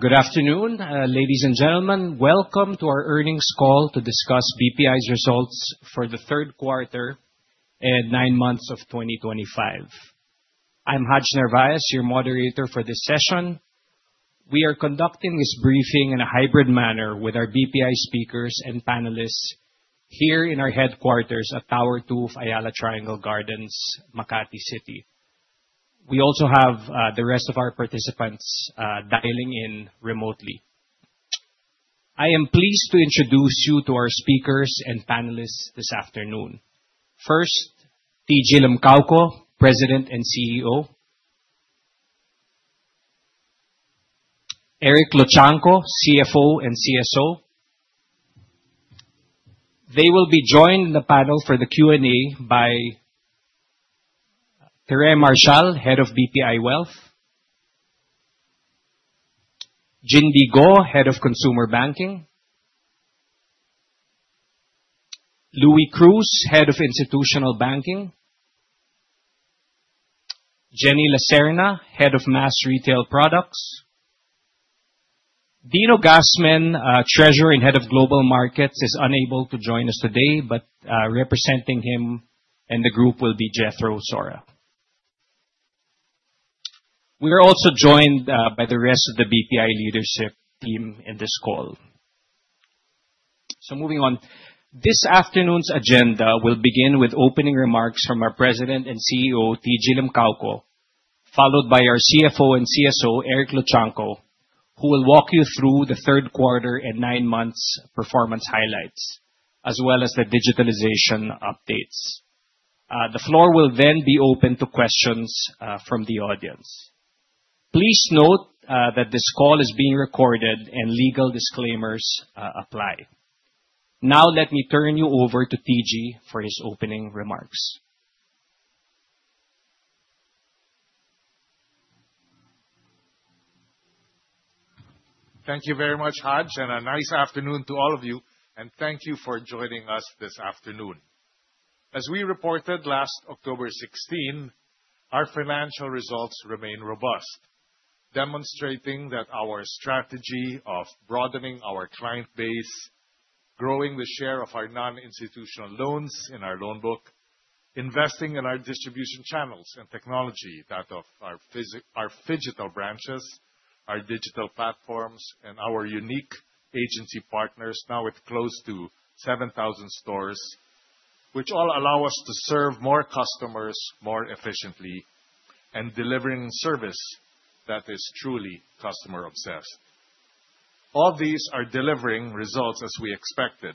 Good afternoon, ladies and gentlemen. Welcome to our earnings call to discuss BPI's results for the third quarter and nine months of 2025. I'm Haj Narvaez, your moderator for this session. We are conducting this briefing in a hybrid manner with our BPI speakers and panelists here in our headquarters at Tower Two of Ayala Triangle Gardens, Makati City. We also have the rest of our participants dialing in remotely. I am pleased to introduce you to our speakers and panelists this afternoon. First, TG Limcaoco, President and CEO. Eric Luchangco, CFO and CSO. They will be joined in the panel for the Q&A by Tere Marcial, Head of BPI Wealth. Ginbee Go, Head of Consumer Banking. Louie Cruz, Head of Institutional Banking. Jenny Lacerna, Head of Mass Retail Products. Dino Gasmen, treasurer and head of Global Markets, is unable to join us today, but representing him and the group will be Jethro Sorra. We are also joined by the rest of the BPI leadership team in this call. Moving on. This afternoon's agenda will begin with opening remarks from our President and CEO, TG Limcaoco, followed by our CFO and CSO, Eric Luchangco, who will walk you through the third quarter and nine months' performance highlights, as well as the digitalization updates. The floor will then be open to questions from the audience. Please note that this call is being recorded and legal disclaimers apply. Now, let me turn you over to TG for his opening remarks. Thank you very much, Haj, and a nice afternoon to all of you, and thank you for joining us this afternoon. As we reported last October 16, our financial results remain robust, demonstrating that our strategy of broadening our client base, growing the share of our non-institutional loans in our loan book, investing in our distribution channels and technology that of our phygital branches, our digital platforms, and our unique agency partners now with close to 7,000 stores, which all allow us to serve more customers more efficiently and delivering service that is truly customer obsessed. All these are delivering results as we expected.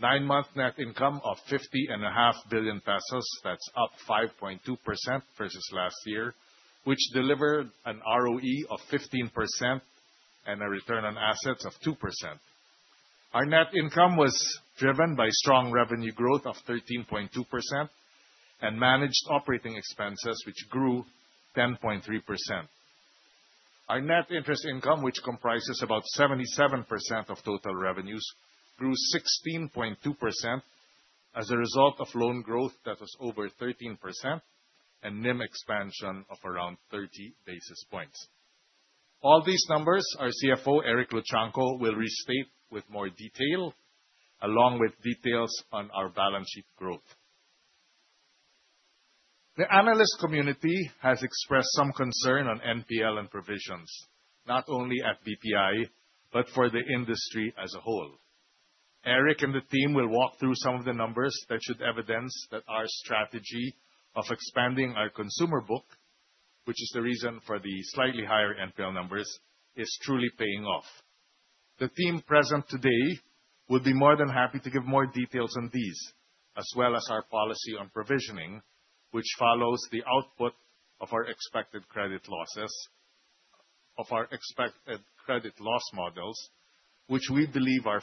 Nine-month net income of 50.5 billion pesos, that's up 5.2% versus last year, which delivered an ROE of 15% and a return on assets of 2%. Our net income was driven by strong revenue growth of 13.2% and managed operating expenses, which grew 10.3%. Our net interest income, which comprises about 77% of total revenues, grew 16.2% as a result of loan growth that was over 13% and NIM expansion of around 30 basis points. All these numbers, our CFO, Eric Luchangco, will restate with more detail, along with details on our balance sheet growth. The analyst community has expressed some concern on NPL and provisions, not only at BPI, but for the industry as a whole. Eric and the team will walk through some of the numbers that should evidence that our strategy of expanding our consumer book, which is the reason for the slightly higher NPL numbers, is truly paying off. The team present today would be more than happy to give more details on these, as well as our policy on provisioning, which follows the output of our expected credit losses, of our expected credit loss models, which we believe are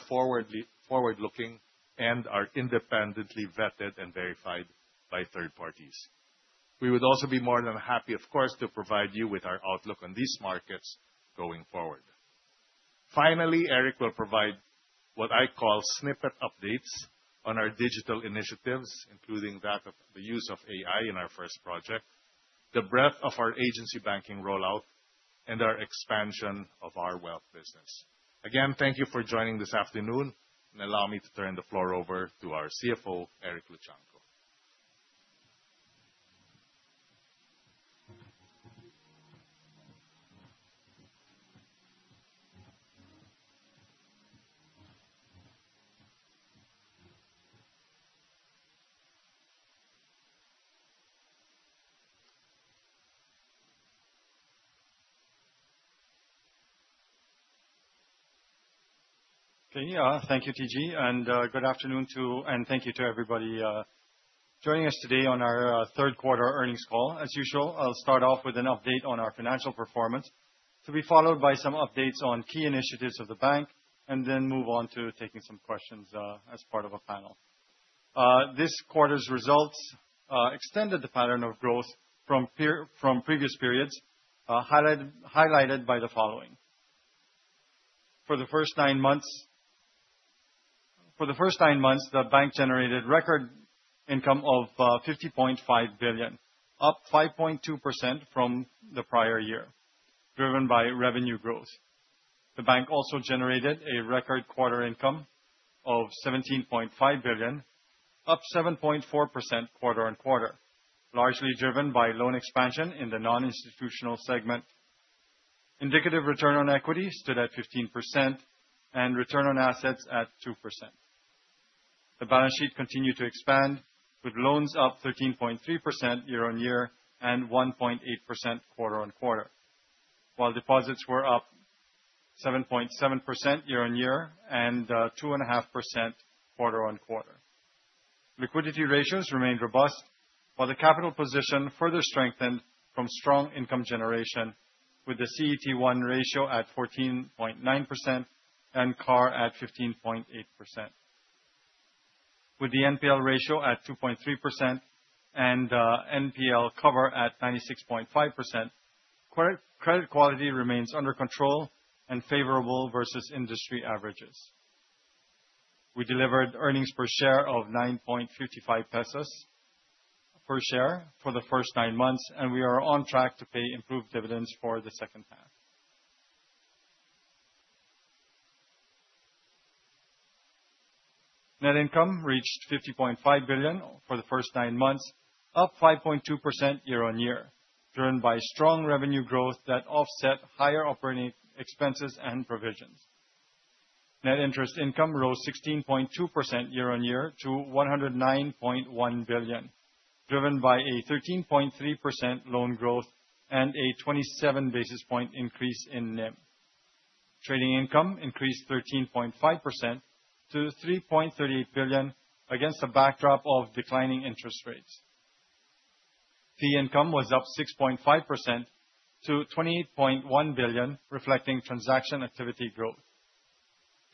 forward-looking and are independently vetted and verified by third parties. We would also be more than happy, of course, to provide you with our outlook on these markets going forward. Finally, Eric will provide what I call snippet updates on our digital initiatives, including that of the use of AI in our first project, the breadth of our agency banking rollout, and our expansion of our Wealth Business. Again, thank you for joining this afternoon, and allow me to turn the floor over to our CFO, Eric Luchangco. Okay. Thank you, TG, and good afternoon, too, and thank you to everybody joining us today on our third quarter earnings call. As usual, I'll start off with an update on our financial performance, to be followed by some updates on key initiatives of the bank, and then move on to taking some questions as part of a panel. This quarter's results extended the pattern of growth from previous periods, highlighted by the following. For the first nine months, the bank generated record income of 50.5 billion, up 5.2% from the prior year, driven by revenue growth. The bank also generated a record quarter income of 17.5 billion, up 7.4% quarter-on-quarter, largely driven by loan expansion in the non-institutional segment. Indicative return on equity stood at 15% and return on assets at 2%. The balance sheet continued to expand, with loans up 13.3% year-on-year and 1.8% quarter-on-quarter, while deposits were up 7.7% year-on-year and 2.5% quarter-on-quarter. Liquidity ratios remained robust, while the capital position further strengthened from strong income generation with the CET1 ratio at 14.9% and CAR at 15.8%. With the NPL ratio at 2.3% and NPL cover at 96.5%, credit quality remains under control and favorable versus industry averages. We delivered earnings per share of 9.55 pesos per share for the first nine months, and we are on track to pay improved dividends for the second half. Net income reached 50.5 billion for the first nine months, up 5.2% year-on-year, driven by strong revenue growth that offset higher operating expenses and provisions. Net interest income rose 16.2% year-on-year to 109.1 billion, driven by a 13.3% loan growth and a 27 basis point increase in NIM. Trading income increased 13.5% to PH 3.38 billion against a backdrop of declining interest rates. Fee income was up 6.5% to 28.1 billion, reflecting transaction activity growth.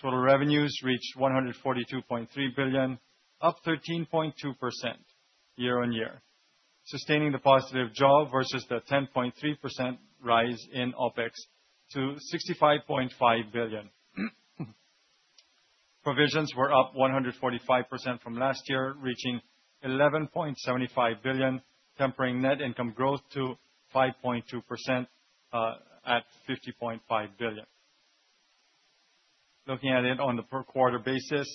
Total revenues reached 142.3 billion, up 13.2% year-on-year, sustaining the positive job versus the 10.3% rise in OpEx to 65.5 billion. Provisions were up 145% from last year, reaching 11.75 billion, tempering net income growth to 5.2%, at 50.5 billion. Looking at it on the per quarter basis,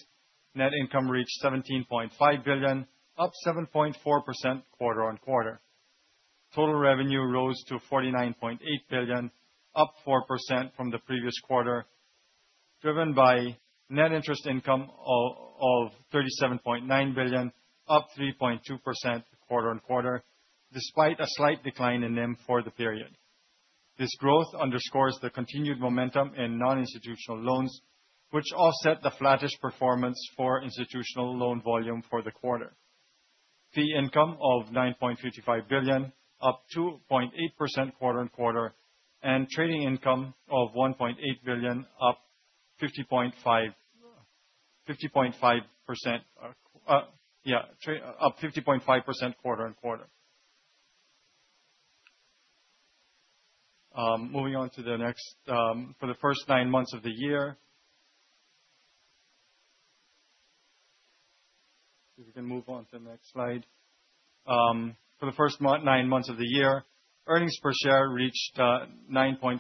net income reached 17.5 billion, up 7.4% quarter-on-quarter. Total revenue rose to 49.8 billion, up 4% from the previous quarter, driven by net interest income of 37.9 billion, up 3.2% quarter-on-quarter, despite a slight decline in NIM for the period. This growth underscores the continued momentum in non-institutional loans, which offset the flattest performance for institutional loan volume for the quarter. Fee income of 9.55 billion, up 2.8% quarter-on-quarter, and trading income of 1.8 billion, up 50.5% quarter-on-quarter. Moving on to the next, for the first nine months of the year. If we can move on to the next slide. For the first nine months of the year, earnings per share reached 9.55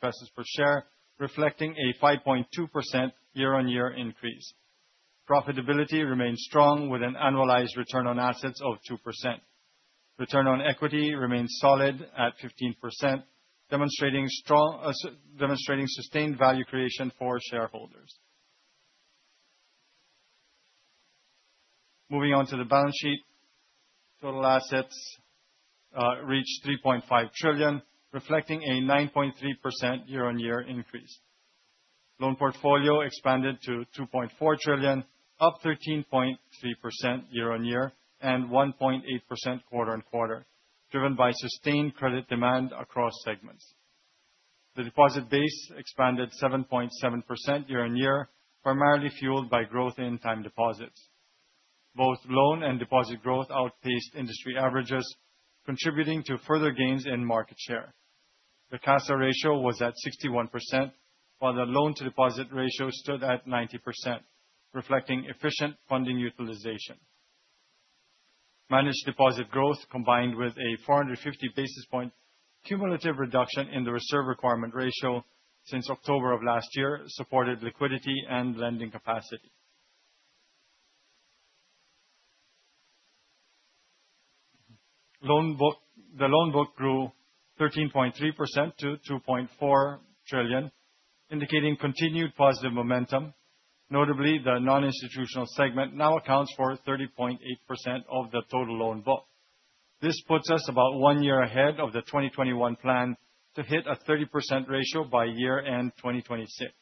pesos per share, reflecting a 5.2% year-on-year increase. Profitability remains strong with an annualized return on assets of 2%. Return on equity remains solid at 15%, demonstrating sustained value creation for shareholders. Moving on to the balance sheet. Total assets reached 3.5 trillion, reflecting a 9.3% year-on-year increase. Loan portfolio expanded to 2.4 trillion, up 13.3% year-on-year and 1.8% quarter-on-quarter, driven by sustained credit demand across segments. The deposit base expanded 7.7% year-on-year, primarily fueled by growth in time deposits. Both loan and deposit growth outpaced industry averages, contributing to further gains in market share. The CASA ratio was at 61%, while the loan to deposit ratio stood at 90%, reflecting efficient funding utilization. Managed deposit growth combined with a 450 basis point cumulative reduction in the reserve requirement ratio since October of last year supported liquidity and lending capacity. The loan book grew 13.3% to 2.4 trillion, indicating continued positive momentum. Notably, the non-institutional segment now accounts for 30.8% of the total loan book. This puts us about one year ahead of the 2021 plan to hit a 30% ratio by year-end 2026.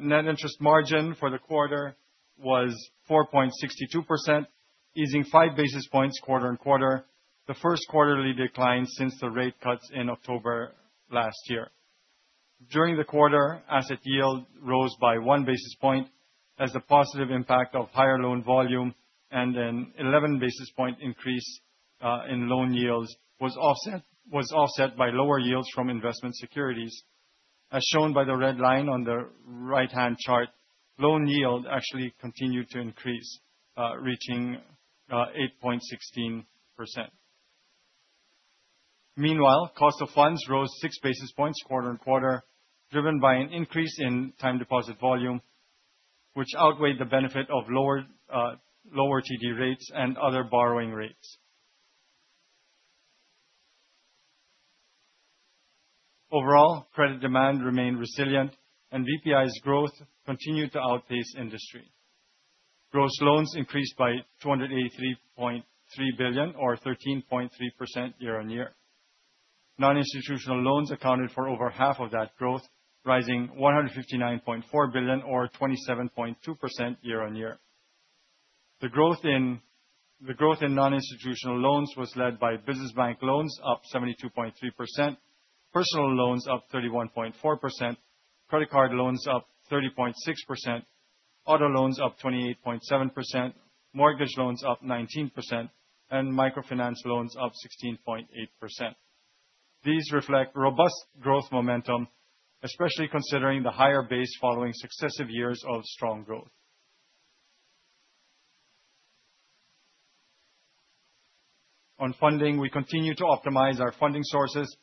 Net interest margin for the quarter was 4.62%, easing 5 basis points quarter-on-quarter, the first quarterly decline since the rate cuts in October last year. During the quarter, asset yield rose by 1 basis point as the positive impact of higher loan volume and an 11 basis point increase in loan yields was offset by lower yields from investment securities. As shown by the red line on the right-hand chart, loan yield actually continued to increase, reaching 8.16%. Meanwhile, cost of funds rose 6 basis points quarter-over-quarter, driven by an increase in time deposit volume, which outweighed the benefit of lower lower TD rates and other borrowing rates. Overall, credit demand remained resilient and BPI's growth continued to outpace industry. Gross loans increased by 283.3 billion or 13.3% year-over-year. Non-institutional loans accounted for over half of that growth, rising 159.4 billion or 27.2% year-over-year. The growth in non-institutional loans was led by business bank loans up 72.3%, personal loans up 31.4%, credit card loans up 30.6%, auto loans up 28.7%, mortgage loans up 19%, and microfinance loans up 16.8%. These reflect robust growth momentum, especially considering the higher base following successive years of strong growth. On funding, we continue to optimize our funding sources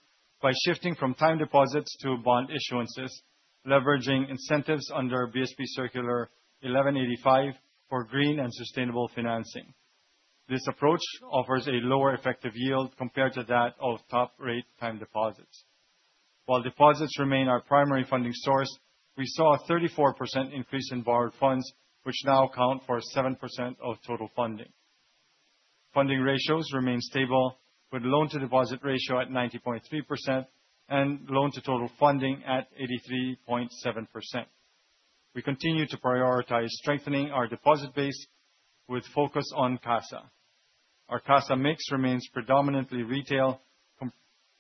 by shifting from time deposits to bond issuances, leveraging incentives under BSP Circular 1185 for Green and Sustainable Financing. This approach offers a lower effective yield compared to that of top rate time deposits. While deposits remain our primary funding source, we saw a 34% increase in borrowed funds, which now account for 7% of total funding. Funding ratios remain stable, with loan-to-deposit ratio at 90.3% and loan-to-total funding at 83.7%. We continue to prioritize strengthening our deposit base with focus on CASA. Our CASA mix remains predominantly retail,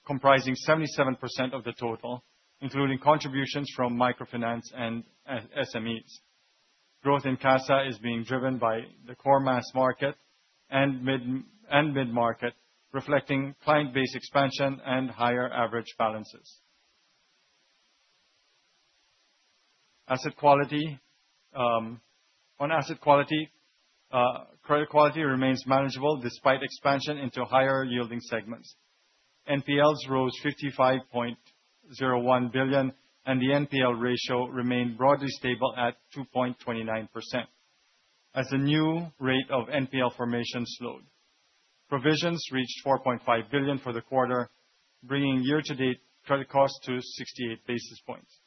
comprising 77% of the total, including contributions from microfinance and SMEs. Growth in CASA is being driven by the core mass market and mid-market, reflecting client base expansion and higher average balances. Asset quality. On asset quality, credit quality remains manageable despite expansion into higher yielding segments. NPLs rose 55.01 billion, and the NPL ratio remained broadly stable at 2.29% as the new rate of NPL formation slowed. Provisions reached 4.5 billion for the quarter, bringing year-to-date credit cost to 68 basis points.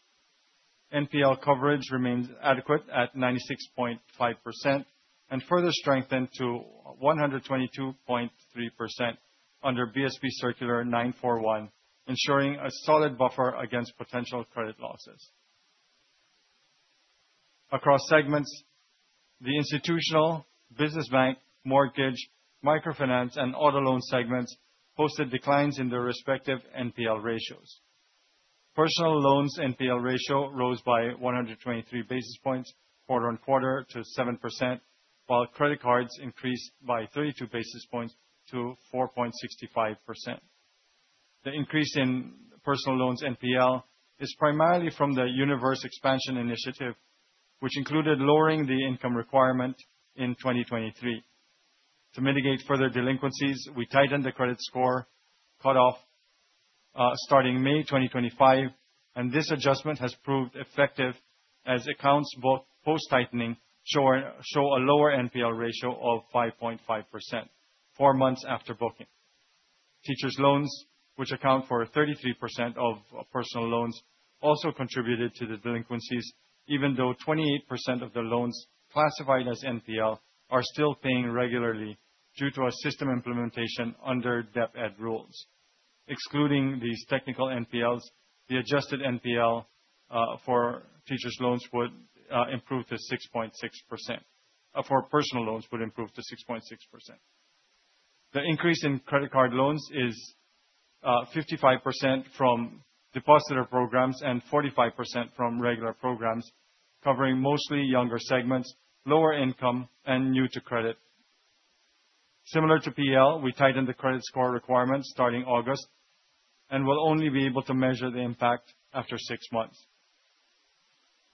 NPL coverage remains adequate at 96.5% and further strengthened to 122.3% under BSP Circular 941, ensuring a solid buffer against potential credit losses. Across segments, the institutional business bank, mortgage, microfinance, and auto loan segments posted declines in their respective NPL ratios. Personal loans NPL ratio rose by 123 basis points quarter-on-quarter to 7%, while credit cards increased by 32 basis points to 4.65%. The increase in personal loans NPL is primarily from the universe expansion initiative, which included lowering the income requirement in 2023. To mitigate further delinquencies, we tightened the credit score cutoff starting May 2025, and this adjustment has proved effective as accounts both post-tightening show a lower NPL ratio of 5.5% four months after booking. Teachers loans, which account for 33% of personal loans, also contributed to the delinquencies, even though 28% of the loans classified as NPL are still paying regularly due to a system implementation under DepEd rules. Excluding these technical NPLs, the adjusted NPL for personal loans would improve to 6.6%. The increase in credit card loans is 55% from depositor programs and 45% from regular programs, covering mostly younger segments, lower income, and new to credit. Similar to PL, we tightened the credit score requirements starting August and will only be able to measure the impact after six months.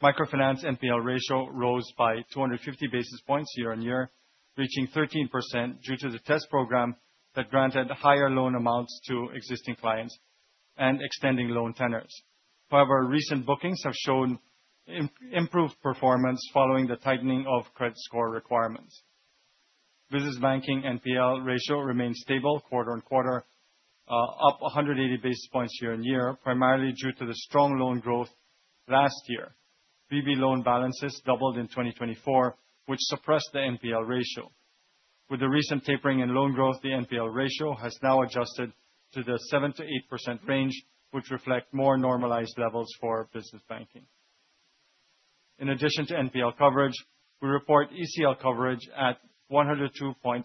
Microfinance NPL ratio rose by 250 basis points year-on-year, reaching 13% due to the test program that granted higher loan amounts to existing clients and extending loan tenors. However, recent bookings have shown improved performance following the tightening of credit score requirements. Business banking NPL ratio remains stable quarter-on-quarter, up 180 basis points year-on-year, primarily due to the strong loan growth last year. BB loan balances doubled in 2024, which suppressed the NPL ratio. With the recent tapering in loan growth, the NPL ratio has now adjusted to the 7%-8% range, which reflect more normalized levels for business banking. In addition to NPL coverage, we report ECL coverage at 102.5%.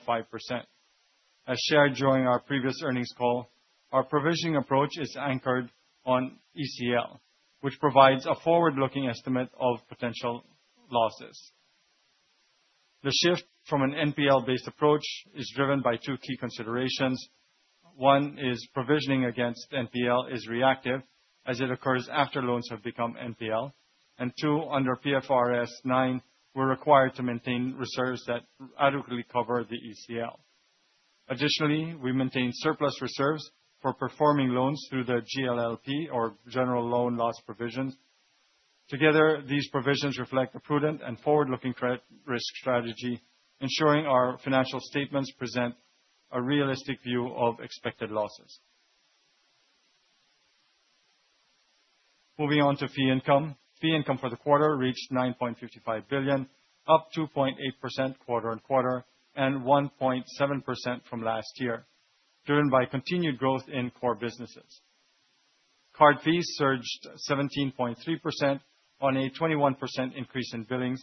As shared during our previous earnings call, our provisioning approach is anchored on ECL, which provides a forward-looking estimate of potential losses. The shift from an NPL-based approach is driven by two key considerations. One is provisioning against NPL is reactive as it occurs after loans have become NPL. Two, under PFRS 9, we're required to maintain reserves that adequately cover the ECL. Additionally, we maintain surplus reserves for performing loans through the GLLP or General Loan Loss Provision. Together, these provisions reflect a prudent and forward-looking credit risk strategy, ensuring our financial statements present a realistic view of expected losses. Moving on to fee income. Fee income for the quarter reached 9.55 billion, up 2.8% quarter-on-quarter and 1.7% from last year, driven by continued growth in core businesses. Card fees surged 17.3% on a 21% increase in billings,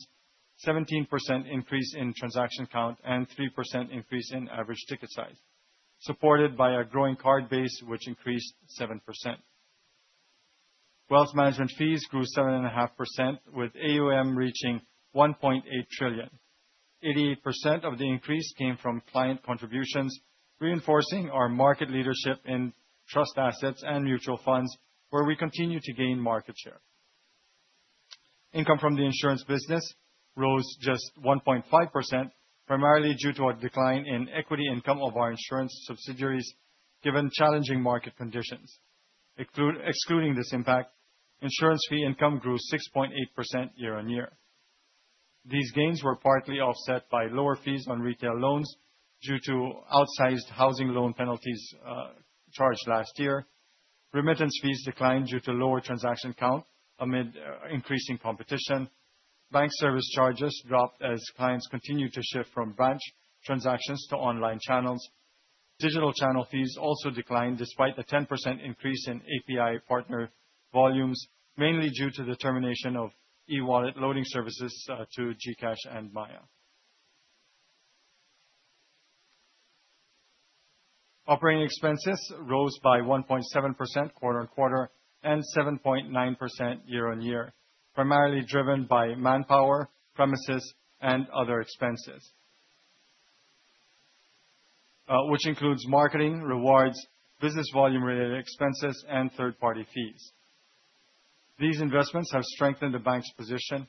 17% increase in transaction count, and 3% increase in average ticket size, supported by a growing card base, which increased 7%. Wealth management fees grew 7.5%, with AUM reaching 1.8 trillion. 88% of the increase came from client contributions, reinforcing our market leadership in trust assets and mutual funds, where we continue to gain market share. Income from the insurance business rose just 1.5%, primarily due to a decline in equity income of our insurance subsidiaries, given challenging market conditions. Excluding this impact, insurance fee income grew 6.8% year-on-year. These gains were partly offset by lower fees on retail loans due to outsized housing loan penalties charged last year. Remittance fees declined due to lower transaction count amid increasing competition. Bank service charges dropped as clients continued to shift from branch transactions to online channels. Digital channel fees also declined despite a 10% increase in API partner volumes, mainly due to the termination of e-wallet loading services to GCash and Maya. Operating expenses rose by 1.7% quarter-on-quarter and 7.9% year-on-year, primarily driven by manpower, premises, and other expenses, which includes marketing, rewards, business volume-related expenses, and third-party fees. These investments have strengthened the bank's position.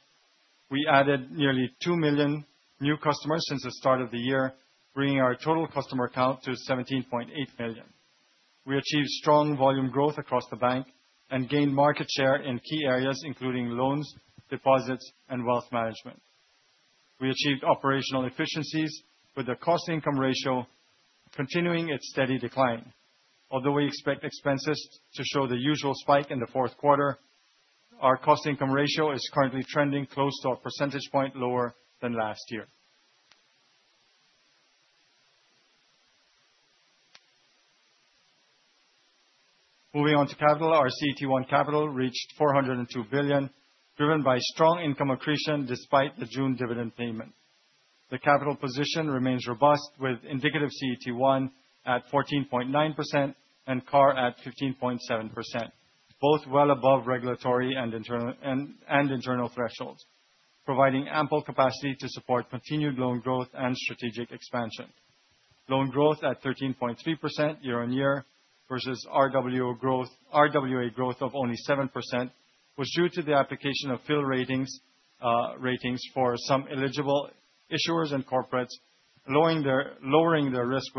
We added nearly 2 million new customers since the start of the year, bringing our total customer count to 17.8 million. We achieved strong volume growth across the bank and gained market share in key areas including loans, deposits, and wealth management. We achieved operational efficiencies with the cost-income ratio continuing its steady decline. Although we expect expenses to show the usual spike in the fourth quarter, our cost-income ratio is currently trending close to a percentage point lower than last year. Moving on to capital. Our CET1 capital reached 402 billion, driven by strong income accretion despite the June dividend payment. The capital position remains robust, with indicative CET1 at 14.9% and CAR at 15.7%, both well above regulatory and internal thresholds, providing ample capacity to support continued loan growth and strategic expansion. Loan growth at 13.3% year-on-year versus RWA growth of only 7% was due to the application of fill ratings for some eligible issuers and corporates, lowering their risk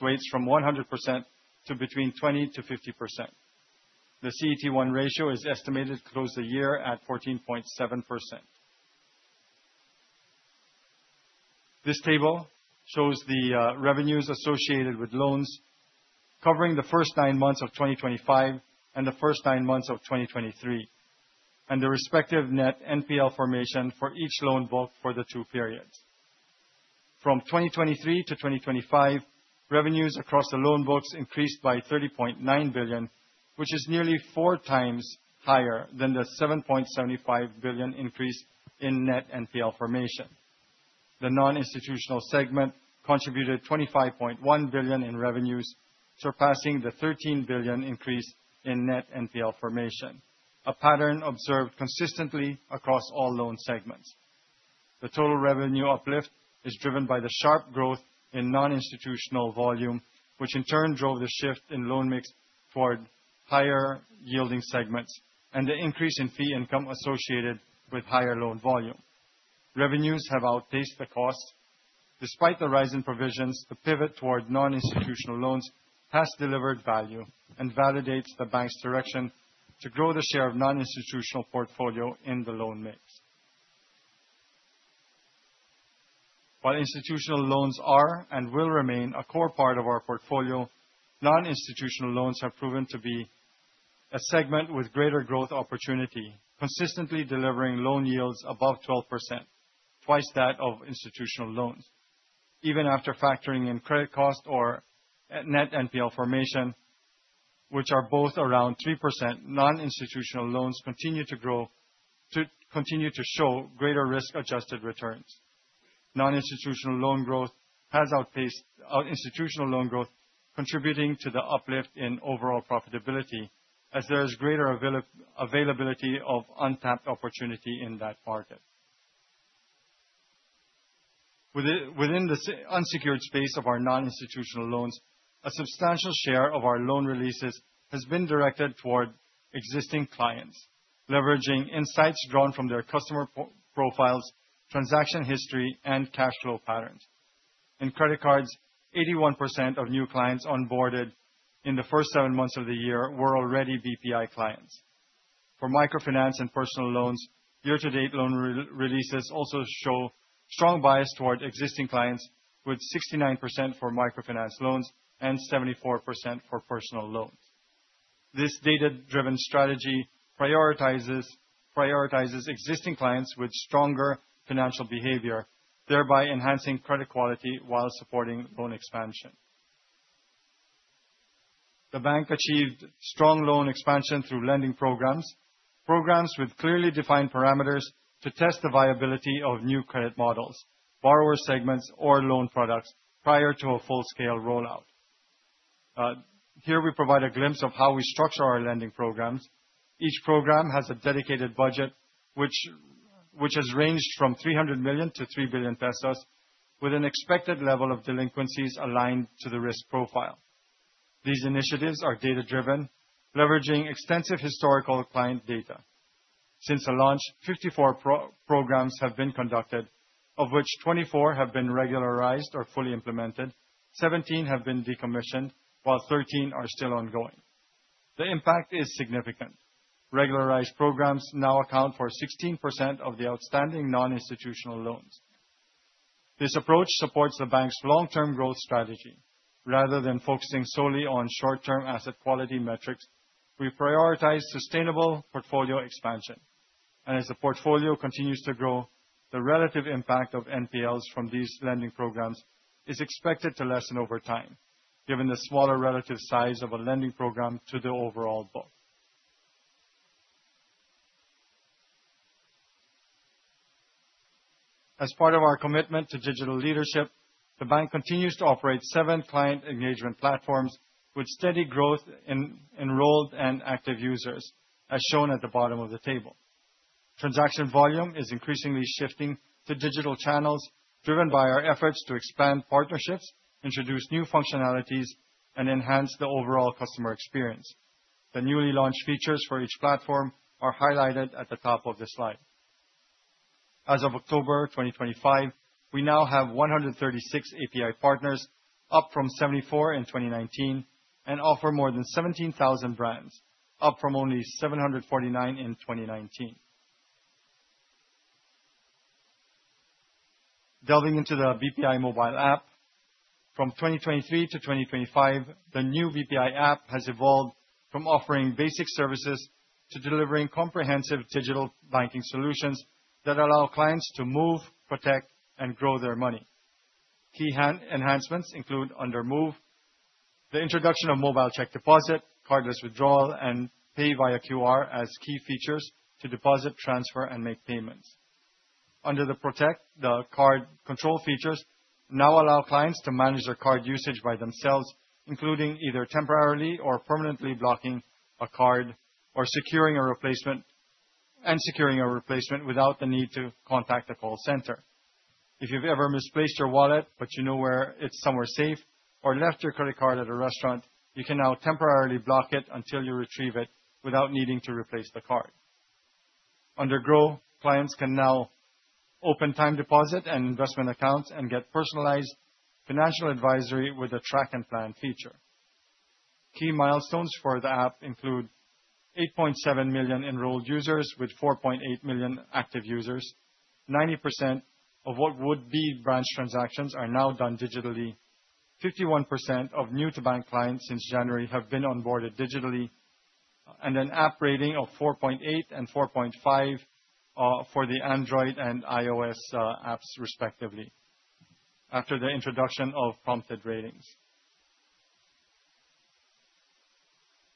weights from 100% to between 20%-50%. The CET1 ratio is estimated to close the year at 14.7%. This table shows the revenues associated with loans covering the first nine months of 2025 and the first nine months of 2023, and the respective net NPL formation for each loan book for the two periods. From 2023 to 2025, revenues across the loan books increased by 30.9 billion, which is nearly four times higher than the 7.75 billion increase in net NPL formation. The non-institutional segment contributed 25.1 billion in revenues, surpassing the 13 billion increase in net NPL formation, a pattern observed consistently across all loan segments. The total revenue uplift is driven by the sharp growth in non-institutional volume, which in turn drove the shift in loan mix toward higher yielding segments and the increase in fee income associated with higher loan volume. Revenues have outpaced the cost. Despite the rise in provisions, the pivot toward non-institutional loans has delivered value and validates the bank's direction to grow the share of non-institutional portfolio in the loan mix. While institutional loans are and will remain a core part of our portfolio, non-institutional loans have proven to be a segment with greater growth opportunity, consistently delivering loan yields above 12%, twice that of institutional loans. Even after factoring in credit cost or net NPL formation, which are both around 3%, non-institutional loans continue to show greater risk-Adjusted returns. Non-institutional loan growth has outpaced institutional loan growth, contributing to the uplift in overall profitability as there is greater availability of untapped opportunity in that market. Within the unsecured space of our non-institutional loans, a substantial share of our loan releases has been directed toward existing clients, leveraging insights drawn from their customer profiles, transaction history, and cash flow patterns. In credit cards, 81% of new clients onboarded in the first seven months of the year were already BPI clients. For microfinance and personal loans, year-to-date loan releases also show strong bias toward existing clients, with 69% for microfinance loans and 74% for personal loans. This data-driven strategy prioritizes existing clients with stronger financial behavior, thereby enhancing credit quality while supporting loan expansion. The bank achieved strong loan expansion through lending programs. Programs with clearly defined parameters to test the viability of new credit models, borrower segments, or loan products prior to a full-scale rollout. Here we provide a glimpse of how we structure our lending programs. Each program has a dedicated budget which has ranged from 300 million to 3 billion pesos, with an expected level of delinquencies aligned to the risk profile. These initiatives are data-driven, leveraging extensive historical client data. Since the launch, 54 programs have been conducted, of which 24 have been regularized or fully implemented, 17 have been decommissioned, while 13 are still ongoing. The impact is significant. Regularized programs now account for 16% of the outstanding non-institutional loans. This approach supports the bank's long-term growth strategy. Rather than focusing solely on short-term asset quality metrics, we prioritize sustainable portfolio expansion. As the portfolio continues to grow, the relative impact of NPLs from these lending programs is expected to lessen over time, given the smaller relative size of a lending program to the overall book. As part of our commitment to digital leadership, the bank continues to operate 7 client engagement platforms with steady growth in enrolled and active users, as shown at the bottom of the table. Transaction volume is increasingly shifting to digital channels, driven by our efforts to expand partnerships, introduce new functionalities, and enhance the overall customer experience. The newly launched features for each platform are highlighted at the top of this slide. As of October 2025, we now have 136 API partners, up from 74 in 2019, and offer more than 17,000 brands, up from only 749 in 2019. Delving into the BPI app. From 2023 to 2025, the new BPI app has evolved from offering basic services to delivering comprehensive digital banking solutions that allow clients to move, protect, and grow their money. Key enhancements include under Move, the introduction of mobile check deposit, cardless withdrawal, and pay via QR as key features to deposit, transfer, and make payments. Under the Protect, the card control features now allow clients to manage their card usage by themselves, including either temporarily or permanently blocking a card or securing a replacement without the need to contact the call center. If you've ever misplaced your wallet, but you know where it's somewhere safe or left your credit card at a restaurant, you can now temporarily block it until you retrieve it without needing to replace the card. Under Grow, clients can now open time deposit and investment accounts and get personalized financial advisory with a Track and Plan feature. Key milestones for the app include 8.7 million enrolled users with 4.8 million active users. 90% of what would be branch transactions are now done digitally. 51% of new to bank clients since January have been onboarded digitally, and an app rating of 4.8 and 4.5 for the Android and iOS apps respectively after the introduction of prompted ratings.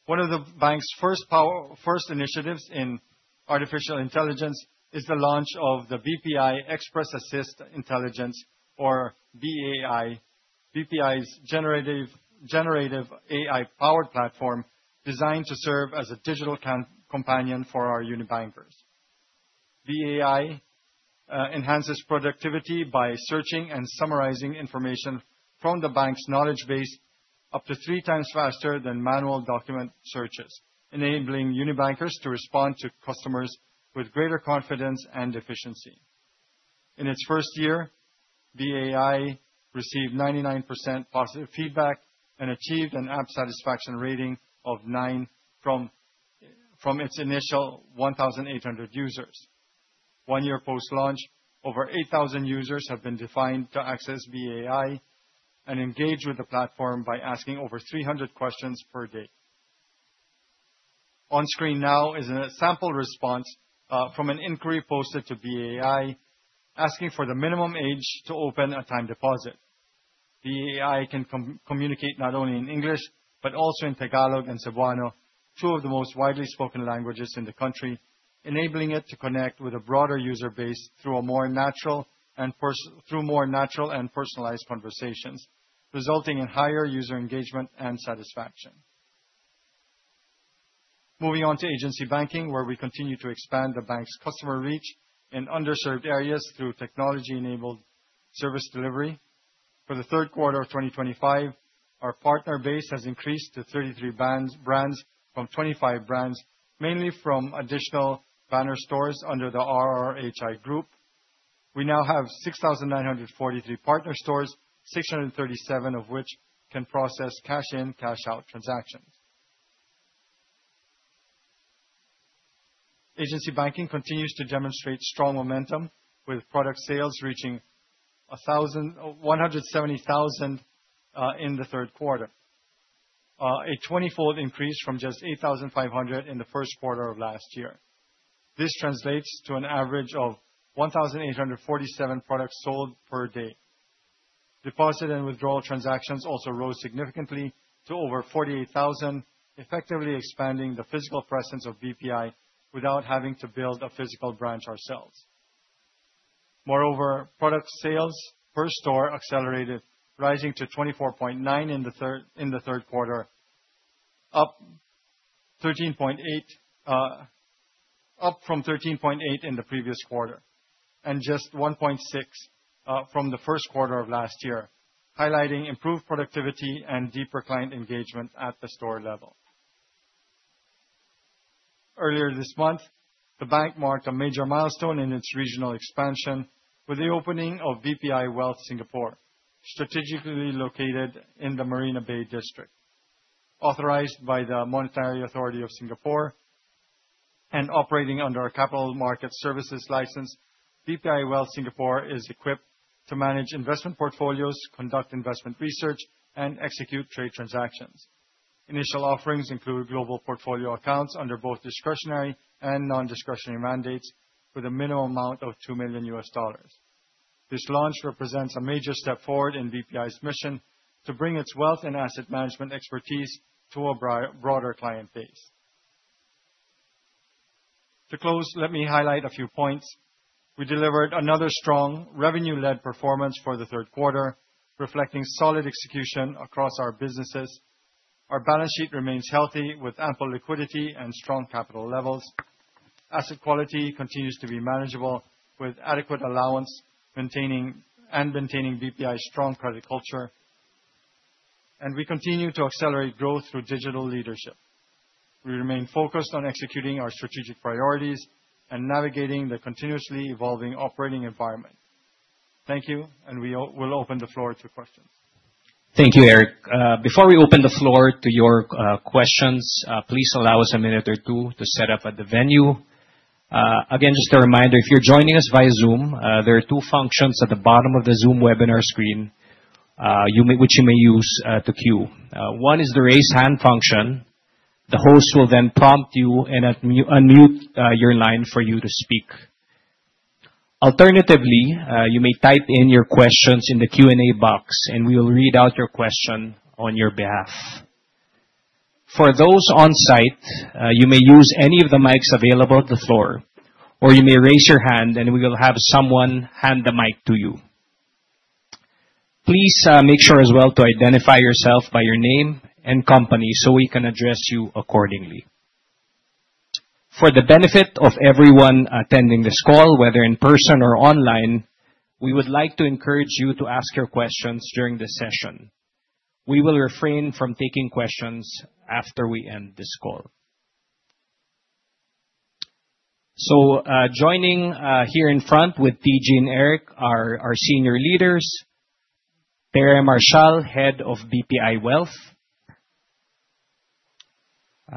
One of the bank's first initiatives in artificial intelligence is the launch of the BPI Express Assist Intelligence or BEAi, BPI's generative AI-powered platform designed to serve as a digital companion for our Unibankers. BEAi enhances productivity by searching and summarizing information from the bank's knowledge base up to 3x faster than manual document searches, enabling Unibankers to respond to customers with greater confidence and efficiency. In its first year, BEAi received 99% positive feedback and achieved an app satisfaction rating of 9 from its initial 1,800 users. One year post-launch, over 8,000 users have been defined to access BEAi and engage with the platform by asking over 300 questions per day. On screen now is a sample response from an inquiry posted to BEAi asking for the minimum age to open a time deposit. BEAi can communicate not only in English but also in Tagalog and Cebuano, two of the most widely spoken languages in the country, enabling it to connect with a broader user base through more natural and personalized conversations, resulting in higher user engagement and satisfaction. Moving on to agency banking, where we continue to expand the bank's customer reach in underserved areas through technology-enabled service delivery. For the third quarter of 2025, our partner base has increased to 33 brands from 25 brands, mainly from additional banner stores under the RRHI Group. We now have 6,943 partner stores, 637 of which can process cash-in, cash-out transactions. Agency banking continues to demonstrate strong momentum, with product sales reaching 170,000 in the third quarter. A 20-fold increase from just 8,500 in the first quarter of last year. This translates to an average of 1,847 products sold per day. Deposit and withdrawal transactions also rose significantly to over 48,000, effectively expanding the physical presence of BPI without having to build a physical branch ourselves. Moreover, product sales per store accelerated, rising to 24.9% in the third quarter, up 13.8% from 13.8% in the previous quarter, and just 1.6% from the first quarter of last year, highlighting improved productivity and deeper client engagement at the store level. Earlier this month, the bank marked a major milestone in its regional expansion with the opening of BPI Wealth Singapore, strategically located in the Marina Bay district. Authorized by the Monetary Authority of Singapore and operating under a capital market services license, BPI Wealth Singapore is equipped to manage investment portfolios, conduct investment research, and execute trade transactions. Initial offerings include global portfolio accounts under both discretionary and non-discretionary mandates with a minimum amount of $2 million. This launch represents a major step forward in BPI's mission to bring its wealth and asset management expertise to a broader client base. To close, let me highlight a few points. We delivered another strong revenue-led performance for the third quarter, reflecting solid execution across our businesses. Our balance sheet remains healthy, with ample liquidity and strong capital levels. Asset quality continues to be manageable, with adequate allowance maintaining BPI's strong credit culture. We continue to accelerate growth through digital leadership. We remain focused on executing our strategic priorities and navigating the continuously evolving operating environment. Thank you, and we will open the floor to questions. Thank you, Eric. Before we open the floor to your questions, please allow us a minute or two to set up at the venue. Again, just a reminder, if you're joining us via Zoom, there are two functions at the bottom of the Zoom webinar screen, which you may use to queue. One is the raise hand function. The host will then prompt you and unmute your line for you to speak. Alternatively, you may type in your questions in the Q&A box, and we will read out your question on your behalf. For those on-site, you may use any of the mics available at the floor, or you may raise your hand and we will have someone hand the mic to you. Please, make sure as well to identify yourself by your name and company so we can address you accordingly. For the benefit of everyone attending this call, whether in person or online, we would like to encourage you to ask your questions during this session. We will refrain from taking questions after we end this call.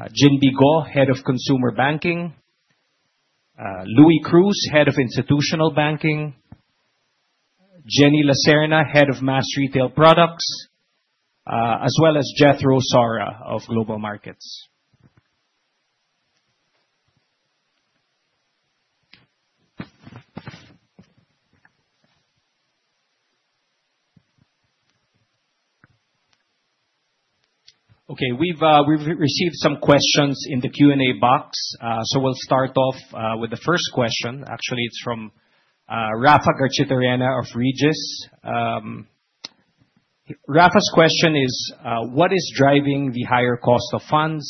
Joining here in front with TG and Eric are our senior leaders, Tere Marcial, Head of BPI Wealth. Ginbee Go, Head of Consumer Banking. Louie Cruz, Head of Institutional Banking. Jenny Lacerna, Head of Mass Retail Products, as well as Jethro Sorra of Global Markets. Okay. We've received some questions in the Q&A box. We'll start off with the first question. Actually, it's from Rafa Garchitorena of Regis. Rafa's question is, what is driving the higher cost of funds?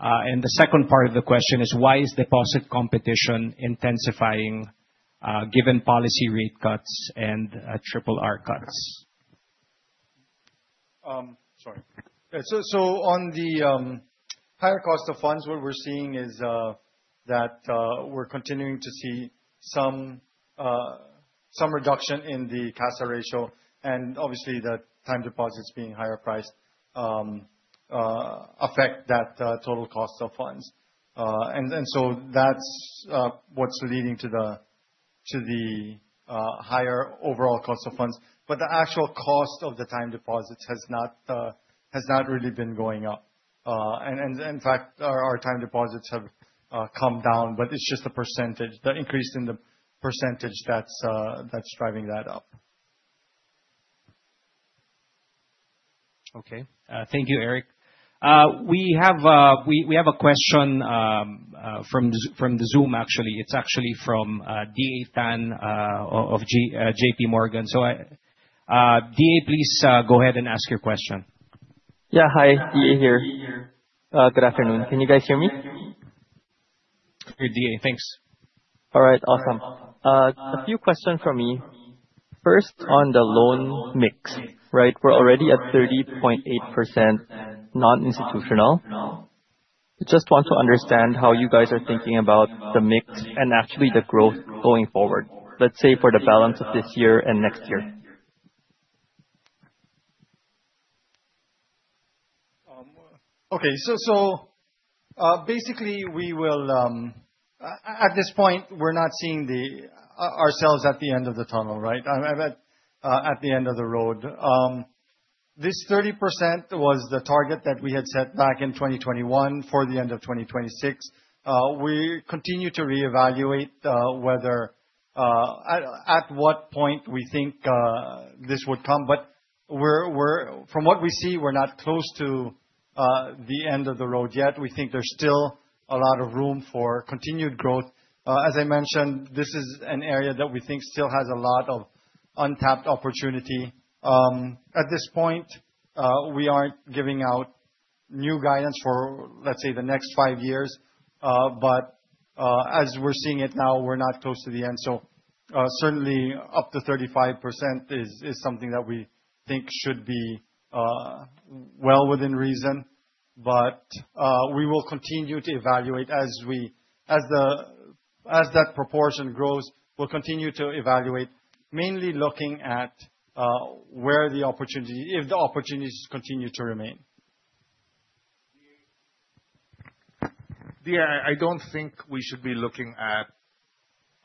The second part of the question is why is deposit competition intensifying, given policy rate cuts and RRR cuts? Sorry. On the higher cost of funds, what we're seeing is that we're continuing to see some reduction in the CASA ratio, and obviously the time deposits being higher priced affect that total cost of funds. That's what's leading to the- to the higher overall cost of funds. The actual cost of the time deposits has not really been going up. In fact, our time deposits have come down, but it's just the percentage, the increase in the percentage that's driving that up. Okay. Thank you, Eric. We have a question from the Zoom actually. It's actually from DA Tan of JPMorgan. DA, please go ahead and ask your question. Yeah. Hi, DA here. Good afternoon. Can you guys hear me? We can hear DA, thanks. All right. Awesome. A few questions from me. First, on the loan mix, right? We're already at 30.8% non-institutional. I just want to understand how you guys are thinking about the mix and actually the growth going forward, let's say for the balance of this year and next year. At this point, we're not seeing ourselves at the end of the tunnel, right? At the end of the road. This 30% was the target that we had set back in 2021 for the end of 2026. We continue to reevaluate whether at what point we think this would come, but from what we see, we're not close to the end of the road yet. We think there's still a lot of room for continued growth. As I mentioned, this is an area that we think still has a lot of untapped opportunity. At this point, we aren't giving out new guidance for, let's say, the next five years. As we're seeing it now, we're not close to the end. Certainly up to 35% is something that we think should be well within reason. We will continue to evaluate as that proportion grows, we'll continue to evaluate, mainly looking at where the opportunity, if the opportunities continue to remain. DA, I don't think we should be looking at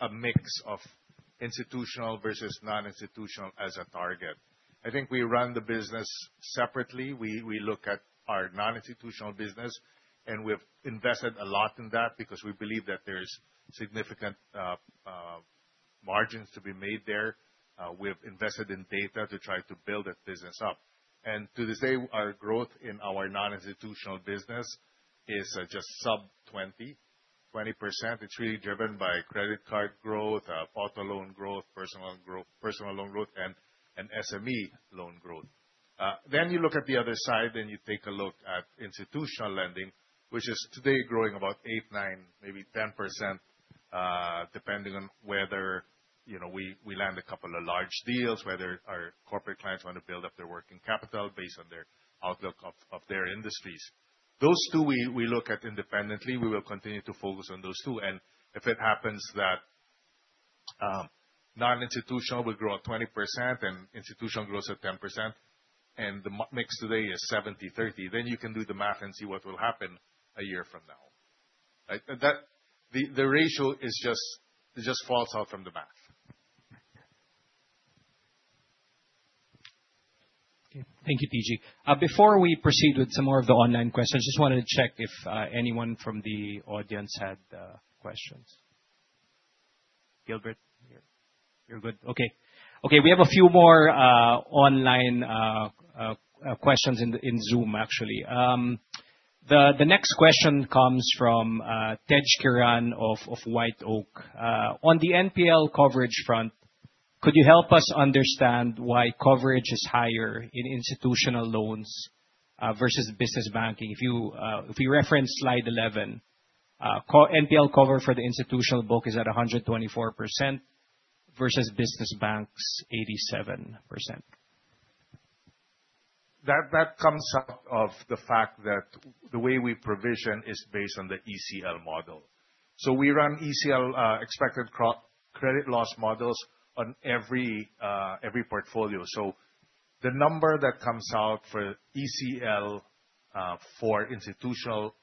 a mix of institutional versus non-institutional as a target. I think we run the business separately. We look at our non-institutional business, and we've invested a lot in that because we believe that there's significant margins to be made there. We have invested in data to try to build that business up. To this day, our growth in our non-institutional business is just sub 20%. It's really driven by credit card growth, auto loan growth, personal loan growth, and SME loan growth. You look at the other side, you take a look at institutional lending, which is today growing about 8%, 9%, maybe 10%, depending on whether, you know, we land a couple of large deals, whether our corporate clients want to build up their working capital based on their outlook of their industries. Those two we look at independently. We will continue to focus on those two. If it happens that non-institutional will grow at 20% and institutional grows at 10%, and the mix today is 70%-30%, then you can do the math and see what will happen a year from now. Like that, the ratio just falls out from the math. Okay. Thank you, TG. Before we proceed with some more of the online questions, just wanted to check if anyone from the audience had questions. Gilbert? You're good. Okay. We have a few more online questions in Zoom actually. The next question comes from Tejkiran Magesh of WhiteOak. On the NPL coverage front, could you help us understand why coverage is higher in institutional loans versus business banking? If you reference slide 11, NPL coverage for the institutional book is at 124% versus business banking's 87%. That comes out of the fact that the way we provision is based on the ECL model. We run ECL, expected credit loss models on every portfolio. The number that comes out for ECL for institutional,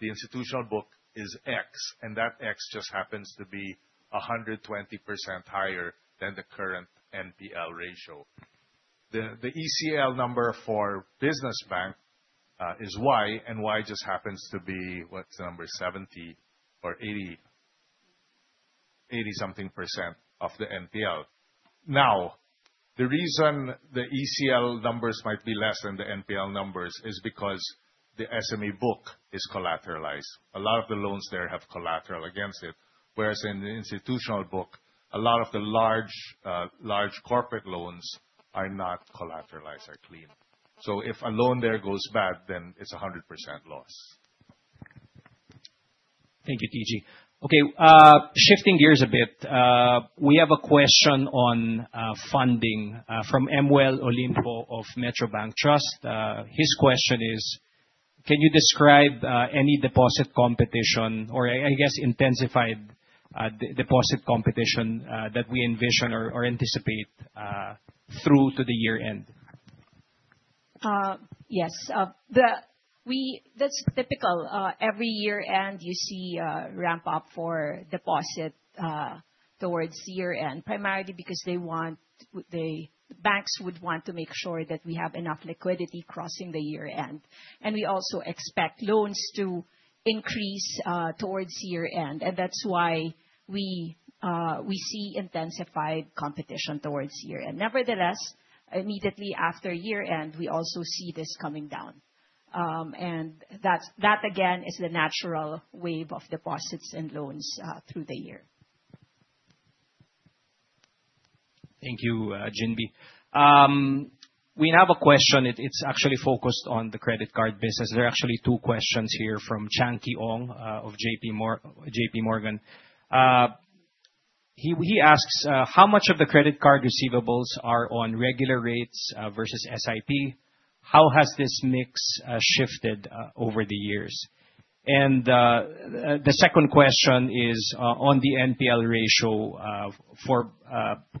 the institutional book is X, and that X just happens to be 120% higher than the current NPL ratio. The ECL number for business bank is Y, and Y just happens to be, what's the number? 70% or 80-something% of the NPL. Now, the reason the ECL numbers might be less than the NPL numbers is because the SME book is collateralized. A lot of the loans there have collateral against it, whereas in the institutional book, a lot of the large corporate loans are not collateralized or clean. If a loan there goes bad, then it's 100% loss. Thank you, TG. Okay, shifting gears a bit, we have a question on funding from Emuel Olimpo of Metrobank. His question is, can you describe any deposit competition or I guess intensified deposit competition that we envision or anticipate through to the year end? Yes. That's typical. Every year-end you see a ramp up for deposit towards year-end, primarily because the banks would want to make sure that we have enough liquidity crossing the year-end. We also expect loans to increase towards year-end, and that's why we see intensified competition towards year-end. Nevertheless, immediately after year-end, we also see this coming down. That's again the natural wave of deposits and loans through the year. Thank you, Ginbee. We have a question. It's actually focused on the credit card business. There are actually two questions here from Chante Ong of JPMorgan. He asks how much of the credit card receivables are on regular rates versus SIP. How has this mix shifted over the years? The second question is on the NPL ratio for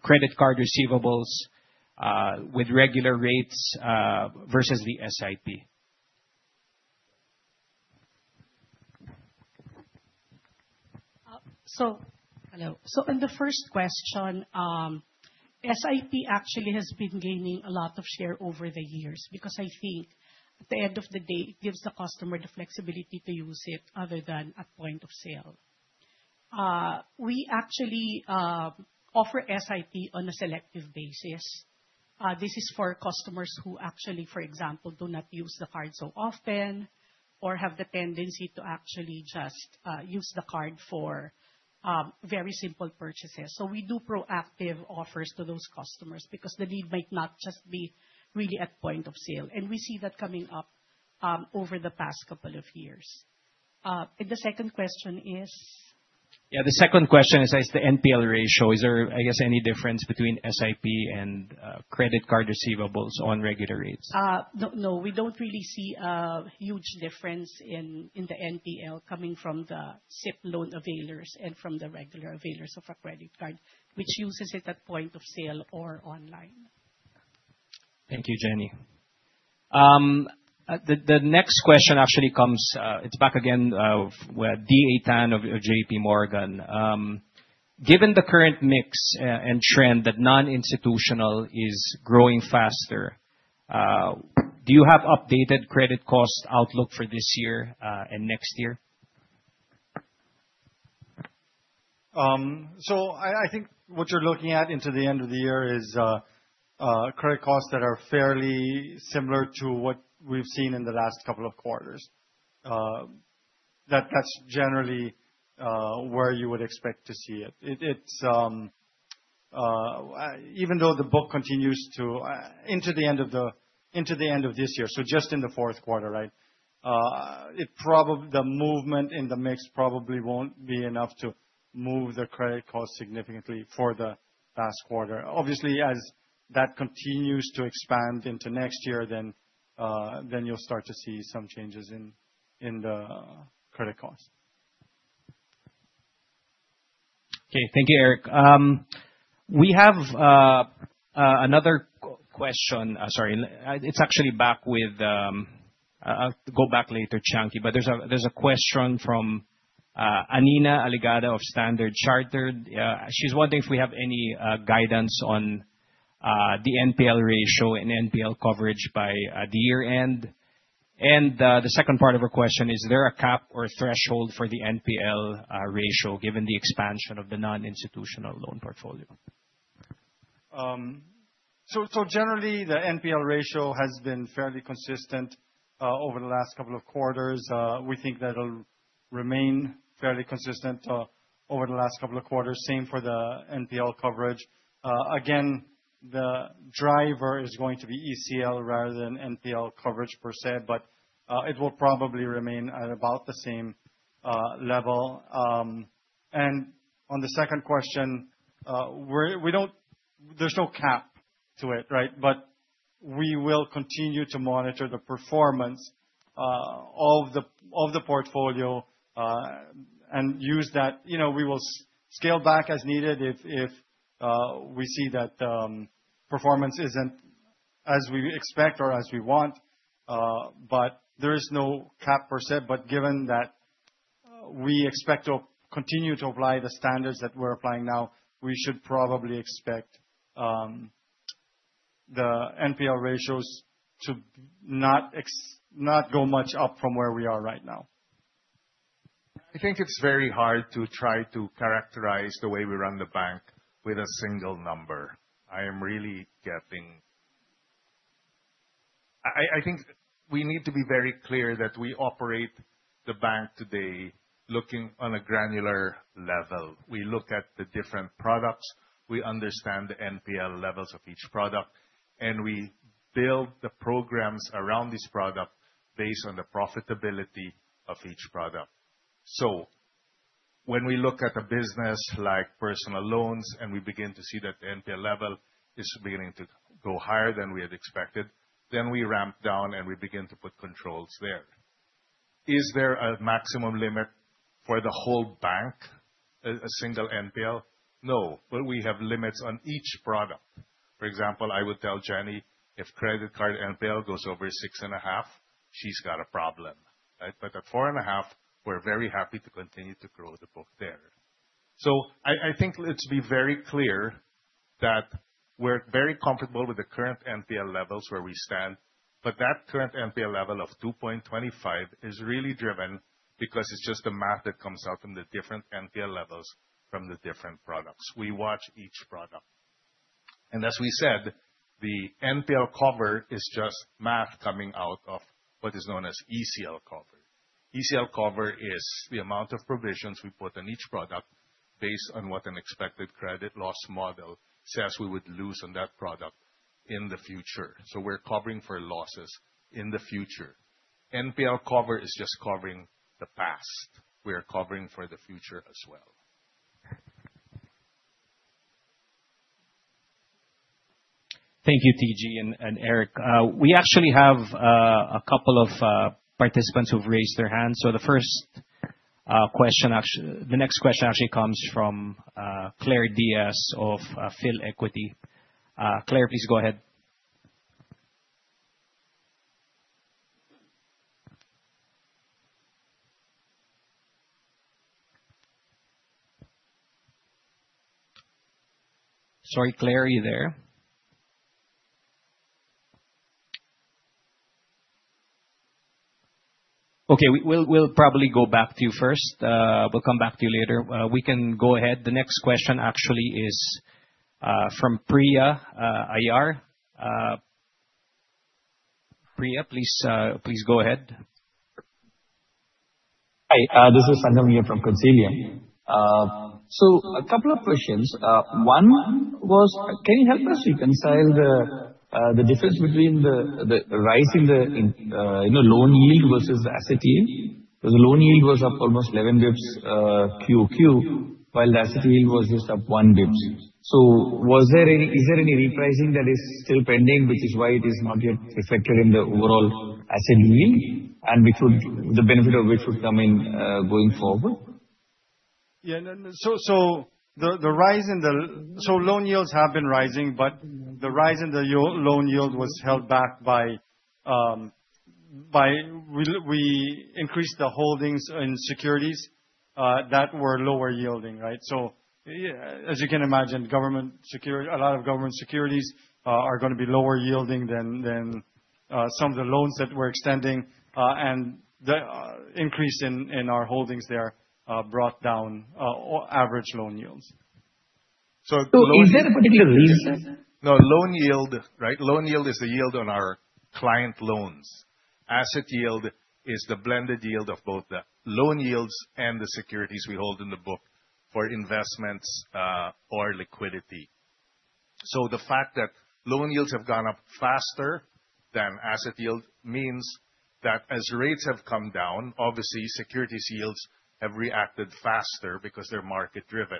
credit card receivables with regular rates versus the SIP. Hello. On the first question, SIP actually has been gaining a lot of share over the years because I think at the end of the day, it gives the customer the flexibility to use it other than at point of sale. We actually offer SIP on a selective basis. This is for customers who actually, for example, do not use the card so often or have the tendency to actually just use the card for very simple purchases. We do proactive offers to those customers because the need might not just be really at point of sale, and we see that coming up over the past couple of years. The second question is? Yeah, the second question is the NPL ratio. Is there, I guess, any difference between SIP and credit card receivables on regular rates? No, no. We don't really see a huge difference in the NPL coming from the SIP loan availers and from the regular availers of a credit card, which uses it at point of sale or online. Thank you, Jenny. The next question actually comes, it's back again, with DA Tan of JPMorgan. Given the current mix, and trend that non-institutional is growing faster, do you have updated credit cost outlook for this year, and next year? I think what you're looking at into the end of the year is credit costs that are fairly similar to what we've seen in the last couple of quarters. That's generally where you would expect to see it. Even though the book continues to into the end of this year, so just in the fourth quarter, right? The movement in the mix probably won't be enough to move the credit cost significantly for the last quarter. Obviously, as that continues to expand into next year, then you'll start to see some changes in the credit cost. Okay. Thank you, Eric. We have another question. Sorry. I'll go back later, Chante. There's a question from Anina Aligada of Standard Chartered. She's wondering if we have any guidance on the NPL ratio and NPL coverage by year-end. The second part of her question, is there a cap or a threshold for the NPL ratio given the expansion of the non-institutional loan portfolio? Generally, the NPL ratio has been fairly consistent over the last couple of quarters. We think that'll remain fairly consistent over the last couple of quarters. Same for the NPL coverage. Again, the driver is going to be ECL rather than NPL coverage per se, but it will probably remain at about the same level. On the second question, there's no cap to it, right? We will continue to monitor the performance of the portfolio and use that. You know, we will scale back as needed if we see that performance isn't as we expect or as we want, but there is no cap per se. Given that we expect to continue to apply the standards that we're applying now, we should probably expect the NPL ratios to not go much up from where we are right now. I think it's very hard to try to characterize the way we run the bank with a single number. I think we need to be very clear that we operate the bank today looking on a granular level. We look at the different products, we understand the NPL levels of each product, and we build the programs around this product based on the profitability of each product. When we look at a business like personal loans, and we begin to see that the NPL level is beginning to go higher than we had expected, then we ramp down and we begin to put controls there. Is there a maximum limit for the whole bank, a single NPL? No. But we have limits on each product. For example, I would tell Jenny, if credit card NPL goes over 6.5%, she's got a problem, right? At 4.5%, we're very happy to continue to grow the book there. I think let's be very clear that we're very comfortable with the current NPL levels where we stand, but that current NPL level of 2.25% is really driven because it's just the math that comes out from the different NPL levels from the different products. We watch each product. As we said, the NPL cover is just math coming out of what is known as ECL cover. ECL cover is the amount of provisions we put on each product based on what an expected credit loss model says we would lose on that product in the future. We're covering for losses in the future. NPL cover is just covering the past. We are covering for the future as well. Thank you, TG and Eric. We actually have a couple of participants who've raised their hands. The next question actually comes from Claire Diaz of Philequity. Claire, please go ahead. Sorry, Claire, are you there? Okay. We'll probably go back to you first. We'll come back to you later. We can go ahead. The next question actually is from Priya Ayyar. Priya, please go ahead. Hi. This is Sangam here from Consilium. A couple of questions. One was, can you help us reconcile the difference between the rise in the loan yield versus asset yield? The loan yield was up almost 11 basis points quarter-over-quarter, while the asset yield was just up 1 basis point. Is there any repricing that is still pending, which is why it is not yet reflected in the overall asset yield, and the benefit of which would come in going forward? No, no. Loan yields have been rising, but the rise in the yield, loan yield was held back by we increased the holdings in securities that were lower yielding, right? As you can imagine, a lot of government securities are gonna be lower yielding than some of the loans that we're extending, and the increase in our holdings there brought down average loan yields. Loan- Is there a particular reason? No. Loan yield, right? Loan yield is the yield on our client loans. Asset yield is the blended yield of both the loan yields and the securities we hold in the book for investments, or liquidity. So the fact that loan yields have gone up faster than asset yield means that as rates have come down, obviously securities yields have reacted faster because they're market driven,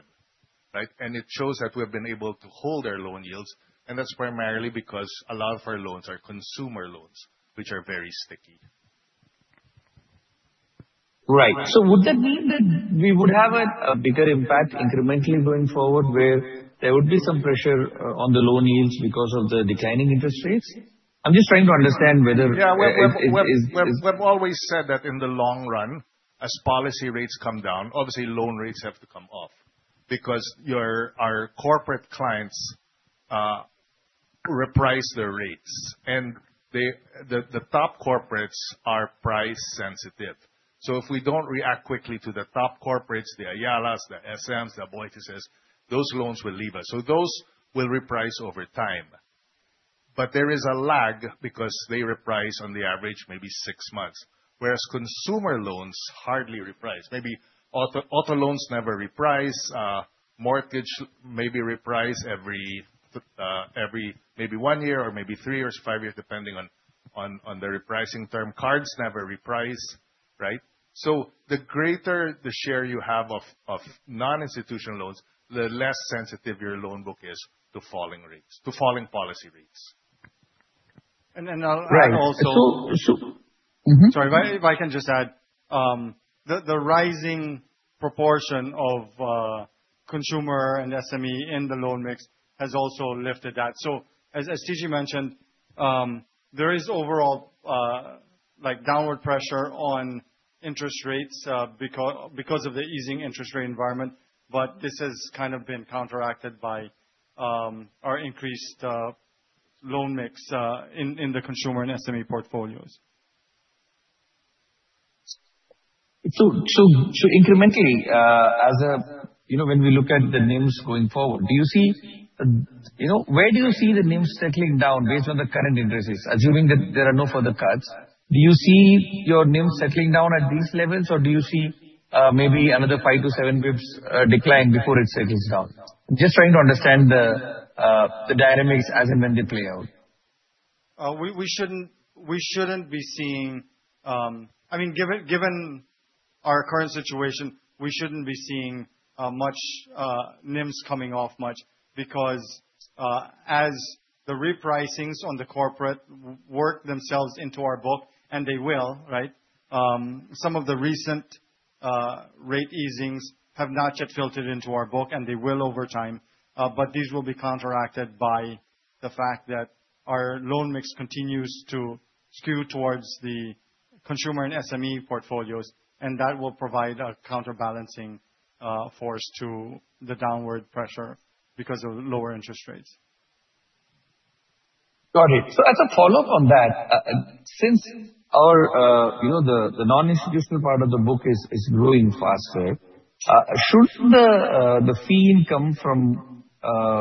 right? It shows that we have been able to hold our loan yields, and that's primarily because a lot of our loans are consumer loans, which are very sticky. Right. Would that mean that we would have a bigger impact incrementally going forward, where there would be some pressure on the loan yields because of the declining interest rates? I'm just trying to understand whether- Yeah. We've always said that in the long run, as policy rates come down, obviously loan rates have to come up because our corporate clients reprice their rates. The top corporates are price sensitive. If we don't react quickly to the top corporates, the Ayalas, the SMs, the Aboitizes, those loans will leave us. Those will reprice over time. There is a lag because they reprice on the average maybe six months. Whereas consumer loans hardly reprice. Maybe auto loans never reprice. Mortgage maybe reprice every maybe one year or maybe three years, five years, depending on the repricing term. Cards never reprice, right? The greater the share you have of non-institutional loans, the less sensitive your loan book is to falling rates, to falling policy rates. I'll add also. Right. Mm-hmm. Sorry. If I can just add. The rising proportion of consumer and SME in the loan mix has also lifted that. As TG mentioned, there is overall like downward pressure on interest rates because of the easing interest rate environment, but this has kind of been counteracted by our increased loan mix in the consumer and SME portfolios. Incrementally, you know, when we look at the NIMs going forward, do you see, you know, where do you see the NIMs settling down based on the current interest rates, assuming that there are no further cuts? Do you see your NIMs settling down at these levels, or do you see maybe another 5-7 basis points decline before it settles down? I'm just trying to understand the dynamics as and when they play out. I mean, given our current situation, we shouldn't be seeing much NIMs coming off much because as the repricings on the corporate work themselves into our book, and they will, right? Some of the recent rate easings have not yet filtered into our book, and they will over time, but these will be counteracted by the fact that our loan mix continues to skew towards the consumer and SME portfolios, and that will provide a counterbalancing force to the downward pressure because of lower interest rates. Got it. As a follow-up on that, since our, you know, the non-institutional part of the book is growing faster, shouldn't the fee income from,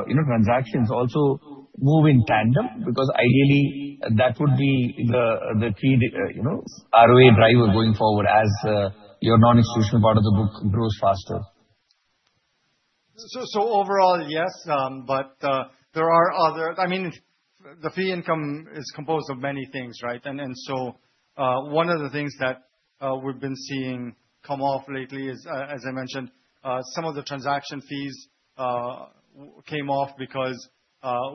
you know, transactions also move in tandem? Because ideally that would be the key, you know, ROA driver going forward as your non-institutional part of the book grows faster. Overall, yes. There are other. I mean, the fee income is composed of many things, right? One of the things that we've been seeing come off lately is, as I mentioned, some of the transaction fees came off because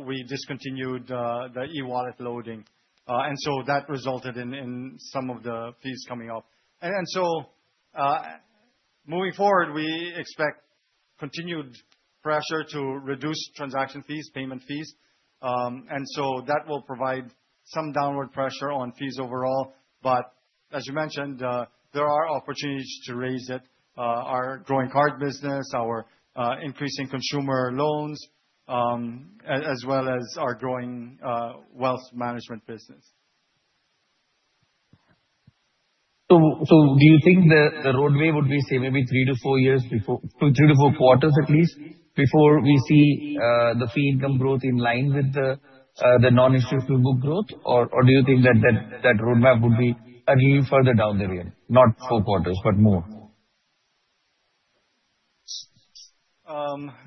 we discontinued the e-wallet loading. That resulted in some of the fees coming off. Moving forward, we expect continued pressure to reduce transaction fees, payment fees. That will provide some downward pressure on fees overall. As you mentioned, there are opportunities to raise it. Our growing card business, our increasing consumer loans, as well as our growing wealth management business. Do you think the roadmap would be, say, maybe three to four years before three to four quarters at least, before we see the fee income growth in line with the non-institutional book growth? Or do you think that roadmap would be again further down the road, not four quarters, but more?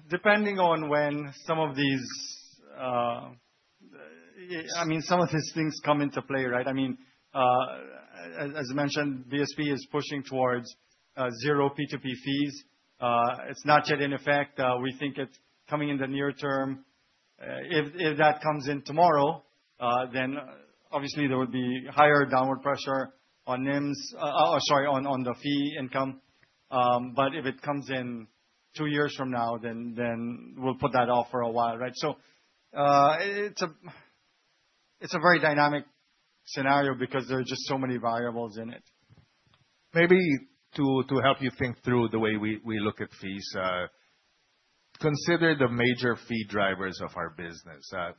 Depending on when some of these, I mean, some of these things come into play, right? I mean, as you mentioned, BSP is pushing towards zero P2P fees. It's not yet in effect. We think it's coming in the near term. If that comes in tomorrow, then obviously there would be higher downward pressure on NIMS. Sorry, on the fee income. If it comes in two years from now, then we'll put that off for a while, right? It's a very dynamic scenario because there are just so many variables in it. Maybe to help you think through the way we look at fees,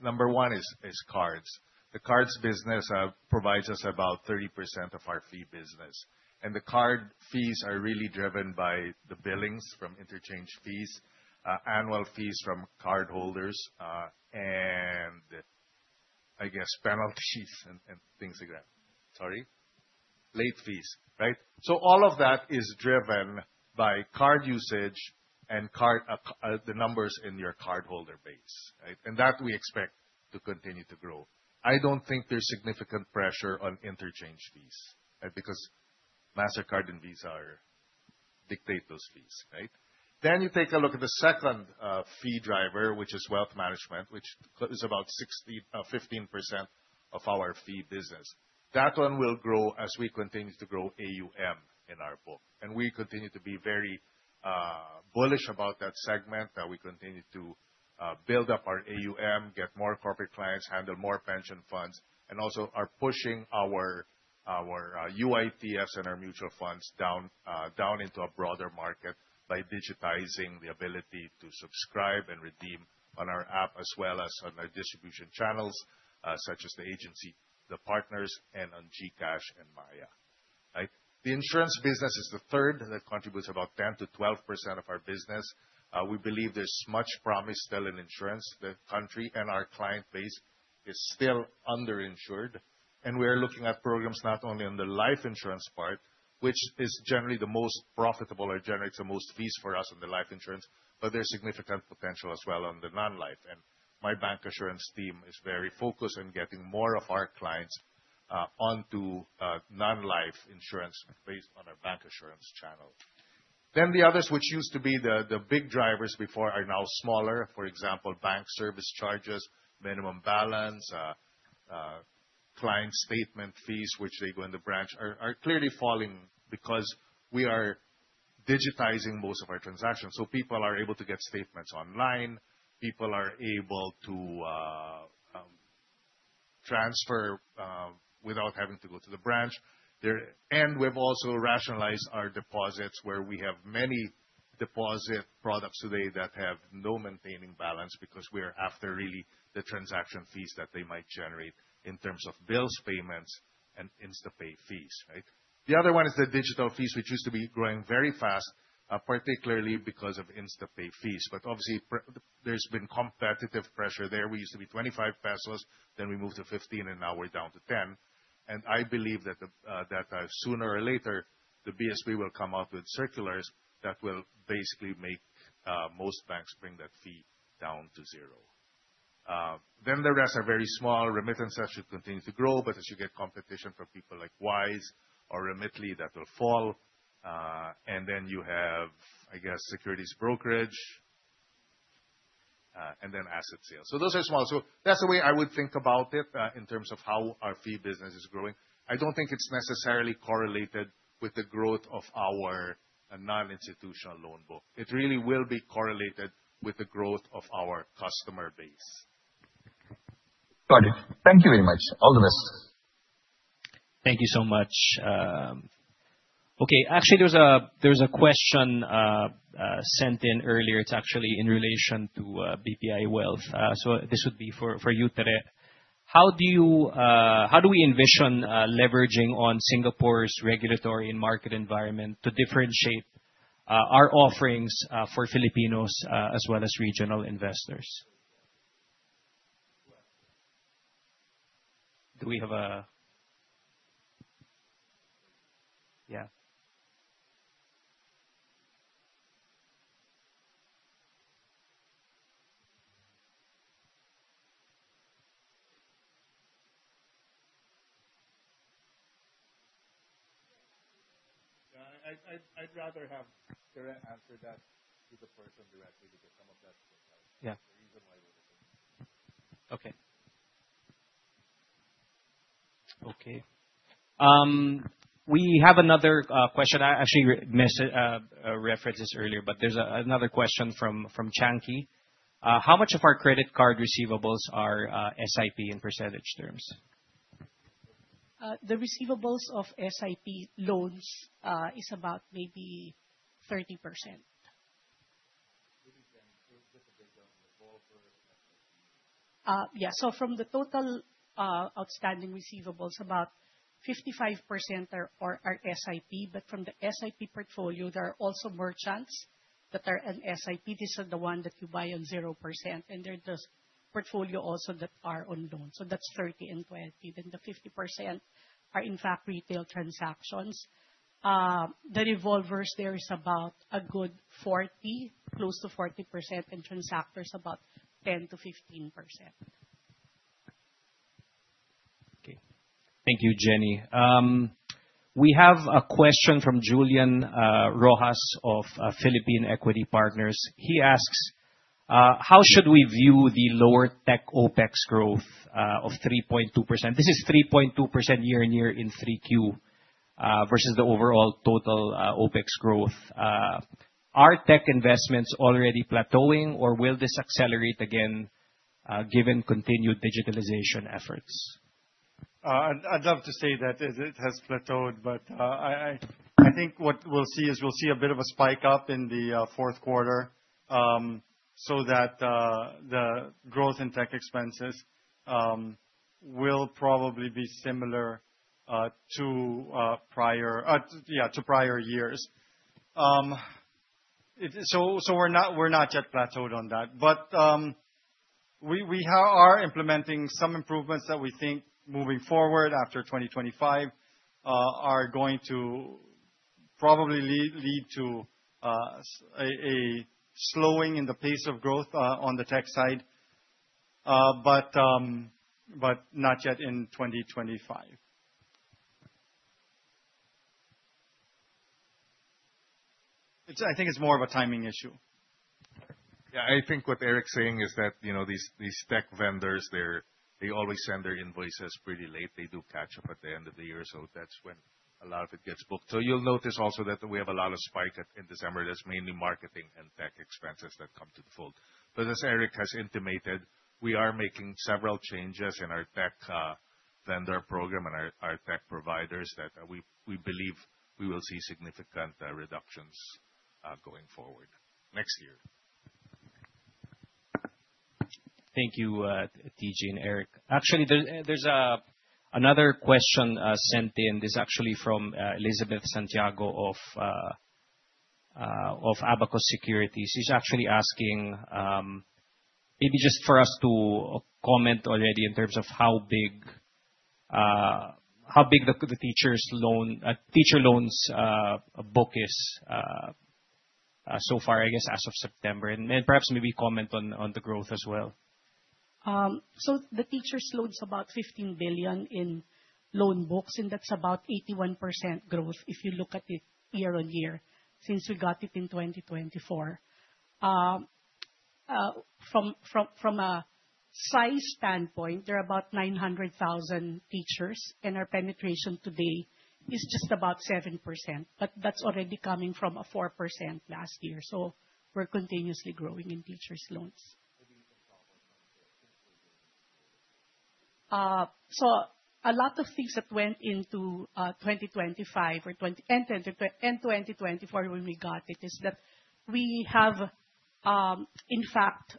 number one is cards. The cards business provides us about 30% of our fee business. The card fees are really driven by the billings from interchange fees, annual fees from cardholders, and I guess penalties and things like that. Sorry. Late fees, right? All of that is driven by card usage and the numbers in your cardholder base, right? That we expect to continue to grow. I don't think there's significant pressure on interchange fees because Mastercard and Visa dictate those fees, right? You take a look at the second fee driver, which is wealth management, which is about 15% of our fee business. That one will grow as we continue to grow AUM in our book. We continue to be very bullish about that segment, that we continue to build up our AUM, get more corporate clients, handle more pension funds, and also are pushing our UITFs and our mutual funds down into a broader market by digitizing the ability to subscribe and redeem on our app, as well as on our distribution channels such as the agency, the partners, and on GCash and Maya. Right? The insurance business is the third, and it contributes about 10%-12% of our business. We believe there's much promise still in insurance. The country and our client base is still under-insured. We are looking at programs not only on the life insurance part, which is generally the most profitable or generates the most fees for us in the life insurance, but there's significant potential as well on the non-life. My bank assurance team is very focused on getting more of our clients onto non-life insurance based on our bank assurance channel. The others, which used to be the big drivers before, are now smaller. For example, bank service charges, minimum balance, client statement fees, which they go in the branch, are clearly falling because we are digitizing most of our transactions. People are able to get statements online. People are able to transfer without having to go to the branch. There. We've also rationalized our deposits, where we have many deposit products today that have no maintaining balance because we are after really the transaction fees that they might generate in terms of bills payments and InstaPay fees, right? The other one is the digital fees, which used to be growing very fast, particularly because of InstaPay fees. Obviously there's been competitive pressure there. We used to be 25 pesos, then we moved to 15, and now we're down to 10. I believe that sooner or later, the BSP will come out with circulars that will basically make most banks bring that fee down to zero. The rest are very small. Remittances should continue to grow, but as you get competition from people like Wise or Remitly, that will fall. You have, I guess, securities brokerage, and then asset sales. Those are small. That's the way I would think about it, in terms of how our fee business is growing. I don't think it's necessarily correlated with the growth of our non-institutional loan book. It really will be correlated with the growth of our customer base. Got it. Thank you very much. I'll rest. Thank you so much. Okay, actually, there's a question sent in earlier. It's actually in relation to BPI Wealth. So this would be for you, Tere. How do we envision leveraging on Singapore's regulatory and market environment to differentiate our offerings for Filipinos as well as regional investors? Yeah. I'd rather have Tere answer that to the person directly because some of that. Yeah. The reason why We have another question. I actually referenced this earlier, but there's another question from Chante. How much of our credit card receivables are SIP in percentage terms? The receivables of SIP loans is about maybe 30%. Maybe Jenny, give us a breakdown of revolvers. Yeah. From the total outstanding receivables, about 55% are SIP. From the SIP portfolio, there are also merchants that are an SIP. These are the one that you buy on 0%, and they're the portfolio also that are on loan. That's 30% and 20%. The 50% are, in fact, retail transactions. The revolvers there is about a good 40%, close to 40%, and transactors about 10%-15%. Okay. Thank you, Jenny. We have a question from Julian Rojas of Philippine Equity Partners. He asks, how should we view the lower tech OpEx growth of 3.2%? This is 3.2% year-on-year in 3Q versus the overall total OpEx growth. Are tech investments already plateauing, or will this accelerate again given continued digitalization efforts? I'd love to say that it has plateaued, but I think what we'll see is we'll see a bit of a spike up in the fourth quarter, so that the growth in tech expenses will probably be similar to prior years. We're not yet plateaued on that. We are implementing some improvements that we think moving forward after 2025 are going to probably lead to a slowing in the pace of growth on the tech side, but not yet in 2025. It's, I think it's more of a timing issue. Yeah. I think what Eric's saying is that, you know, these tech vendors, they always send their invoices pretty late. They do catch up at the end of the year, so that's when a lot of it gets booked. You'll notice also that we have a lot of spike in December. That's mainly marketing and tech expenses that come to the fore. As Eric has intimated, we are making several changes in our tech vendor program and our tech providers that we believe we will see significant reductions going forward next year. Thank you, TG and Eric. Actually, there's another question sent in. This is actually from Elizabeth Santiago of Abacus Securities. She's actually asking maybe just for us to comment already in terms of how big the teacher loans book is so far, I guess, as of September. Then perhaps maybe comment on the growth as well. The teachers loan's about 15 billion in loan books, and that's about 81% growth if you look at it year-on-year since we got it in 2024. From a size standpoint, there are about 900,000 teachers, and our penetration today is just about 7%, but that's already coming from a 4% last year. We're continuously growing in teachers loans. A lot of things that went into 2025 and 2024 when we got it is that we have in fact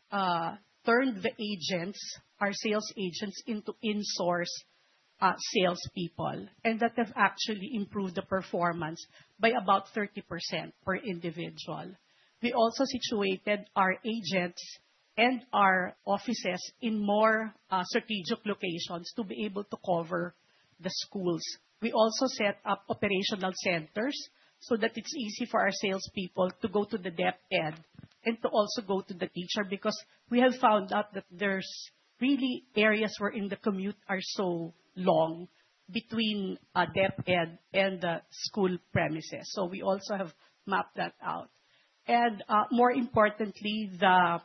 turned the agents, our sales agents into in-house salespeople, and that has actually improved the performance by about 30% per individual. We also situated our agents and our offices in more strategic locations to be able to cover the schools. We also set up operational centers so that it's easy for our sales people to go to the DepEd, and to also go to the teacher, because we have found out that there's really areas wherein the commute are so long between DepEd and the school premises. We also have mapped that out. More importantly, the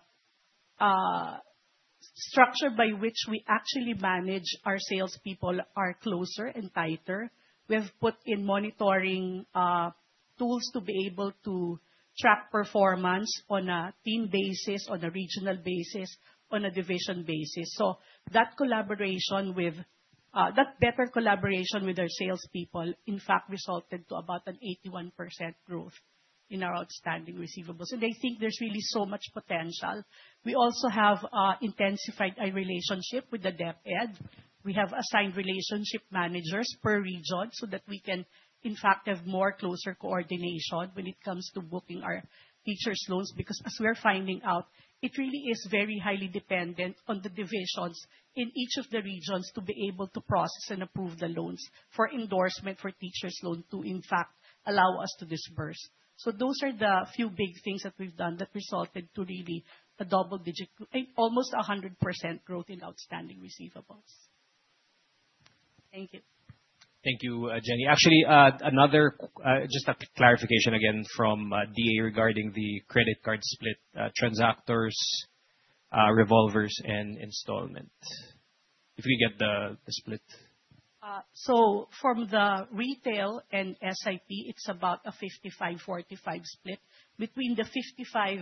structure by which we actually manage our sales people are closer and tighter. We have put in monitoring tools to be able to track performance on a team basis, on a regional basis, on a division basis. That collaboration with that better collaboration with our sales people, in fact resulted to about an 81% growth in our outstanding receivables. I think there's really so much potential. We also have intensified a relationship with the DepEd. We have assigned relationship managers per region so that we can, in fact, have more closer coordination when it comes to booking our teachers' loans, because as we're finding out, it really is very highly dependent on the divisions in each of the regions to be able to process and approve the loans for endorsement for teachers' loans to, in fact, allow us to disburse. Those are the few big things that we've done that resulted to really a double-digit, almost 100% growth in outstanding receivables. Thank you. Thank you, Jenny. Actually, another just a clarification again from DA regarding the credit card split, transactors, revolvers, and installment. If you can get the split. From the retail and SIP, it's about a 55/45 split. Between the 55,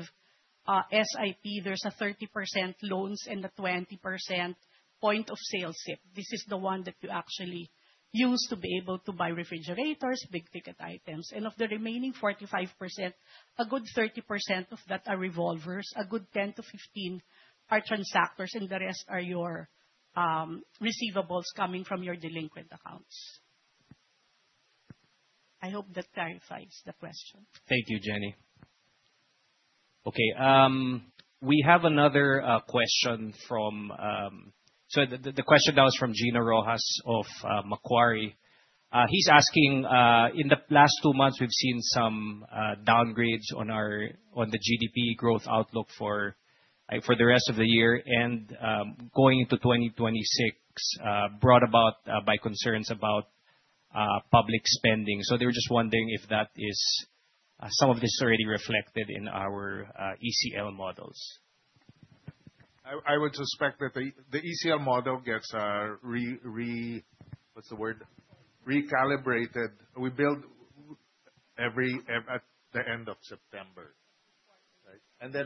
SIP, there's 30% loans and 20% point-of-sale ZIP. This is the one that you actually use to be able to buy refrigerators, big ticket items. Of the remaining 45%, a good 30% of that are revolvers, a good 10% to 15% are transactors, and the rest are your receivables coming from your delinquent accounts. I hope that clarifies the question. Thank you, Jenny. Okay, we have another question. The question now is from Gino Rojas of Macquarie. He's asking, in the last two months, we've seen some downgrades on the GDP growth outlook for the rest of the year and going into 2026, brought about by concerns about public spending. They were just wondering if some of this is already reflected in our ECL models. I would suspect that the ECL model gets recalibrated. We build at the end of September, right? At the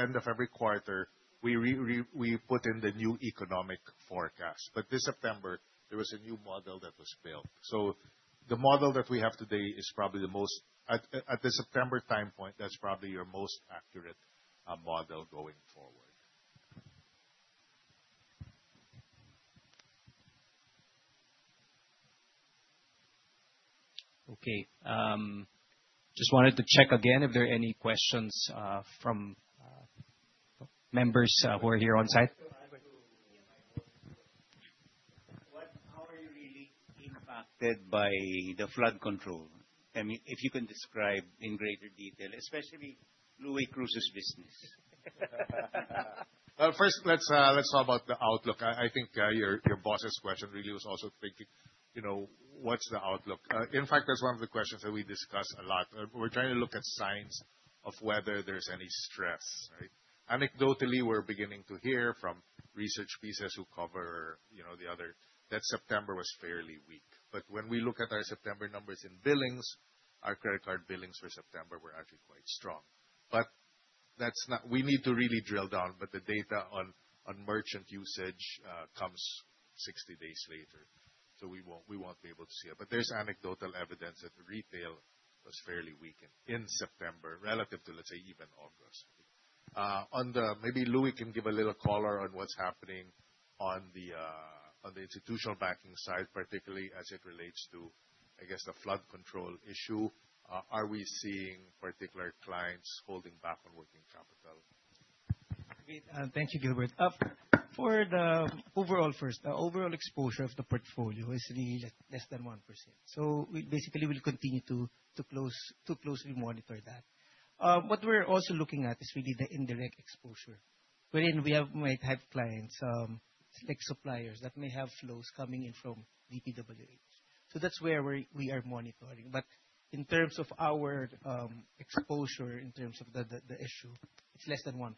end of every quarter, we put in the new economic forecast. This September, there was a new model that was built. The model that we have today is probably the most accurate. At the September time point, that's probably your most accurate model going forward. Okay. Just wanted to check again if there are any questions from members who are here on site. How are you really impacted by the flood control? I mean, if you can describe in greater detail, especially Louie Cruz's business. Well, first, let's talk about the outlook. I think your boss's question really was also thinking, you know, what's the outlook? In fact, that's one of the questions that we discussed a lot. We're trying to look at signs of whether there's any stress, right? Anecdotally, we're beginning to hear from research pieces who cover, you know, the other, that September was fairly weak. When we look at our September numbers in billings, our credit card billings for September were actually quite strong. That's not. We need to really drill down, but the data on merchant usage comes 60 days later. We won't be able to see it. There's anecdotal evidence that retail was fairly weakened in September relative to, let's say, even August. On the... Maybe Louie can give a little color on what's happening on the, on the institutional banking side, particularly as it relates to, I guess, the flood control issue. Are we seeing particular clients holding back on working capital? Great. Thank you, Gilbert. The overall exposure of the portfolio is really less than 1%. We basically will continue to closely monitor that. What we're also looking at is really the indirect exposure, wherein we might have clients like suppliers that may have flows coming in from DPWH. That's where we are monitoring. In terms of our exposure, in terms of the issue, it's less than 1%.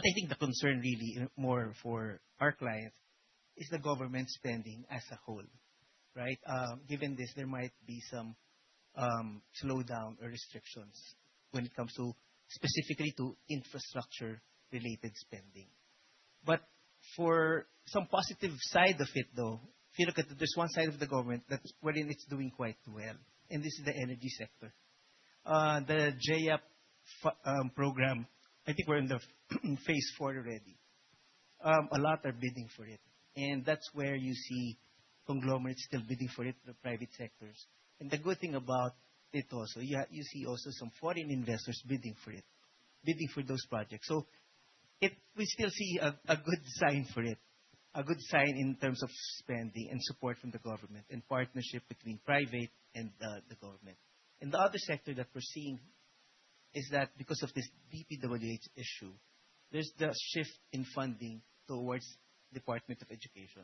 I think the concern really more for our client is the government spending as a whole, right? Given this, there might be some slowdown or restrictions when it comes to specifically to infrastructure related spending. For some positive side of it, though, if you look at this one side of the government, that's wherein it's doing quite well, and this is the energy sector. The GEAP program, I think we're in the phase IV already. A lot are bidding for it, and that's where you see conglomerates still bidding for it through private sectors. The good thing about it also, yeah, you see also some foreign investors bidding for it, bidding for those projects. We still see a good sign for it. A good sign in terms of spending and support from the government and partnership between private and the government. The other sector that we're seeing is that because of this DPWH issue, there's the shift in funding towards Department of Education.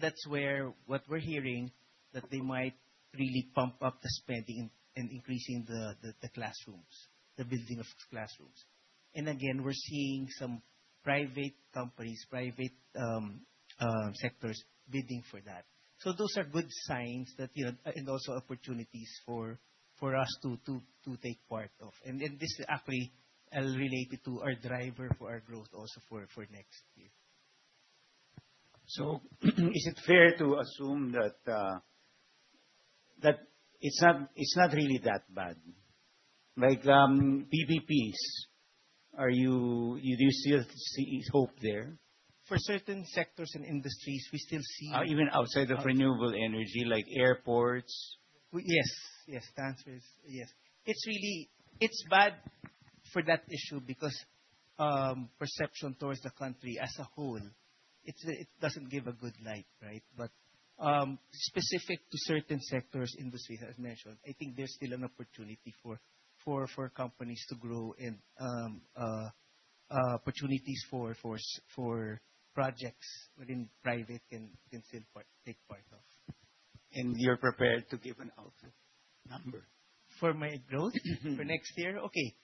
That's where what we're hearing, that they might really pump up the spending in increasing the classrooms, the building of classrooms. Again, we're seeing some private companies, private sectors bidding for that. Those are good signs that, you know, and also opportunities for us to take part of. This actually related to our driver for our growth also for next year. Is it fair to assume that it's not really that bad? Like, PPPs, do you still see hope there? For certain sectors and industries, we still see. Even outside of renewable energy, like airports. Yes, the answer is yes. It's really bad for that issue because perception towards the country as a whole, it doesn't give a good light, right? Specific to certain sectors, industry as mentioned, I think there's still an opportunity for companies to grow and opportunities for projects within private can still take part of. You're prepared to give an output number? For my growth for next year? Okay.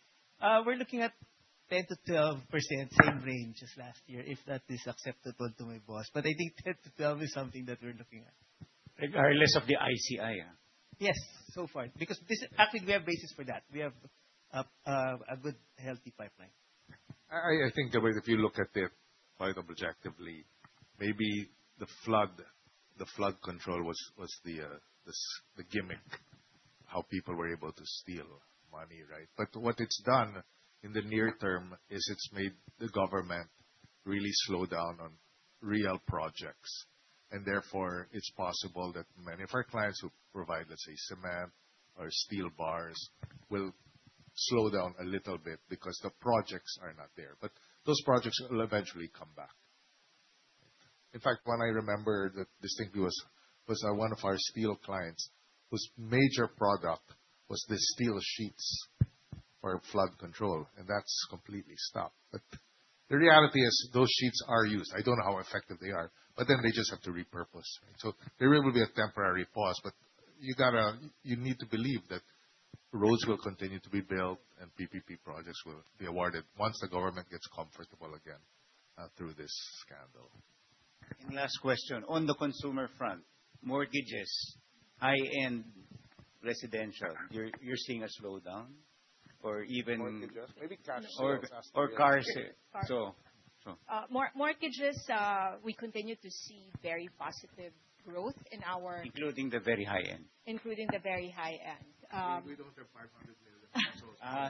We're looking at 10%-12%, same range as last year, if that is acceptable to my boss. I think 10%-12% is something that we're looking at. Regardless of the ICI, yeah? Yes, so far, because actually, we have basis for that. We have a good, healthy pipeline. I think that when if you look at it quite objectively, maybe the flood control was the gimmick, how people were able to steal money, right? But what it's done in the near term is it's made the government really slow down on real projects, and therefore it's possible that many of our clients who provide, let's say, cement or steel bars, will slow down a little bit because the projects are not there. But those projects will eventually come back. In fact, one I remember that distinctly was one of our steel clients, whose major product was the steel sheets for flood control, and that's completely stopped. But the reality is those sheets are used. I don't know how effective they are, but then they just have to repurpose. There will be a temporary pause, but you need to believe that roads will continue to be built and PPP projects will be awarded once the government gets comfortable again, through this scandal. Last question. On the consumer front, mortgages, high-end residential, you're seeing a slowdown? Or even- Mortgages? Maybe Cass can answer that. Car sales. Mortgages, we continue to see very positive growth in our- Including the very high-end? Including the very high-end. We don't have 500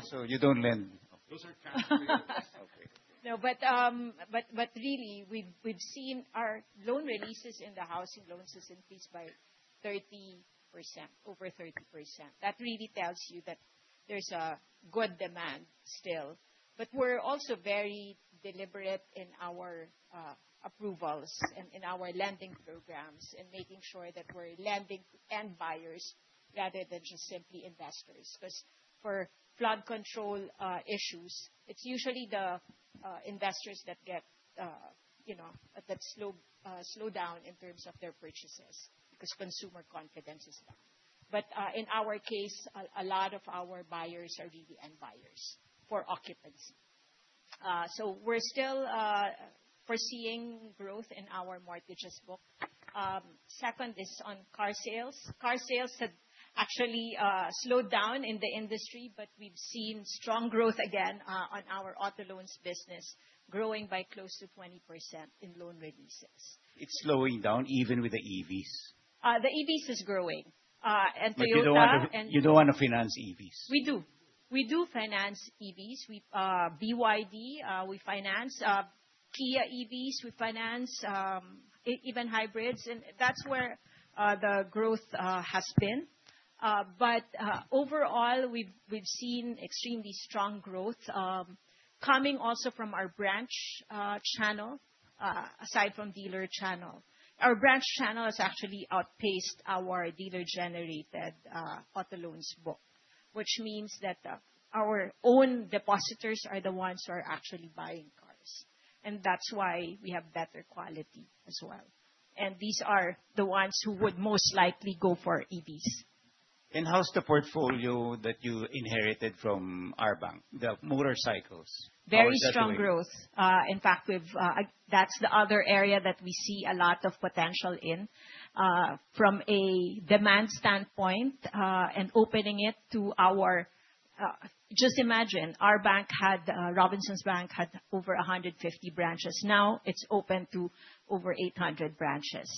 million. You don't lend. Those are Cass' business. Okay. No, but really, we've seen our loan releases in the housing loans has increased by 30%, over 30%. That really tells you that there's a good demand still. We're also very deliberate in our approvals and in our lending programs and making sure that we're lending to end buyers rather than just simply investors. 'Cause for flood control issues, it's usually the investors that get, you know, that slow down in terms of their purchases 'cause consumer confidence is down. In our case, a lot of our buyers are really end buyers for occupancy. We're still foreseeing growth in our mortgages book. Second is on car sales. Car sales have actually slowed down in the industry, but we've seen strong growth again on our auto loans business, growing by close to 20% in loan releases. It's slowing down even with the EVs? The EVs is growing. You don't wanna finance EVs? We do finance EVs. We finance BYD. We finance Kia EVs. Even hybrids. That's where the growth has been. Overall, we've seen extremely strong growth coming also from our branch channel aside from dealer channel. Our branch channel has actually outpaced our dealer-generated auto loans book, which means that our own depositors are the ones who are actually buying cars. That's why we have better quality as well. These are the ones who would most likely go for EVs. How's the portfolio that you inherited from RBank? The motorcycles. How is that doing? Very strong growth. In fact, that's the other area that we see a lot of potential in. From a demand standpoint, and opening it to our. Just imagine, RBank, Robinsons Bank had over 150 branches. Now it's open to over 800 branches.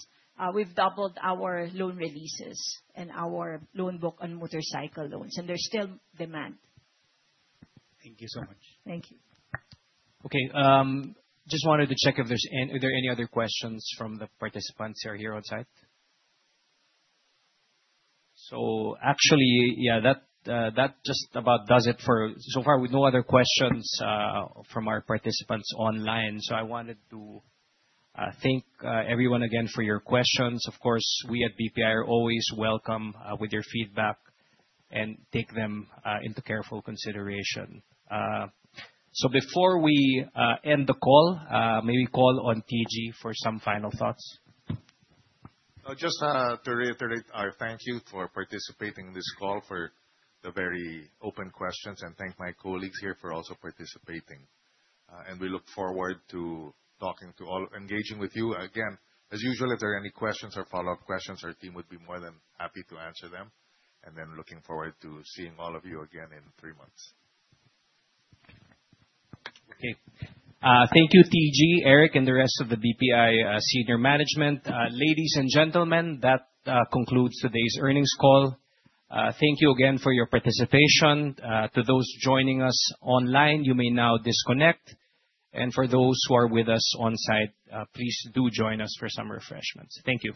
We've doubled our loan releases and our loan book on motorcycle loans, and there's still demand. Thank you so much. Thank you. Okay, just wanted to check if there are any other questions from the participants who are here on site? Actually, yeah, that just about does it for so far with no other questions from our participants online. I wanted to thank everyone again for your questions. Of course, we at BPI are always welcome with your feedback and take them into careful consideration. Before we end the call, maybe call on TG for some final thoughts. Just to reiterate our thank you for participating in this call, for the very open questions, and thank my colleagues here for also participating. We look forward to talking to all, engaging with you. Again, as usual, if there are any questions or follow-up questions, our team would be more than happy to answer them. Looking forward to seeing all of you again in three months. Okay. Thank you, TG, Eric, and the rest of the BPI Senior Management. Ladies and gentlemen, that concludes today's earnings call. Thank you again for your participation. To those joining us online, you may now disconnect. For those who are with us on-site, please do join us for some refreshments. Thank you.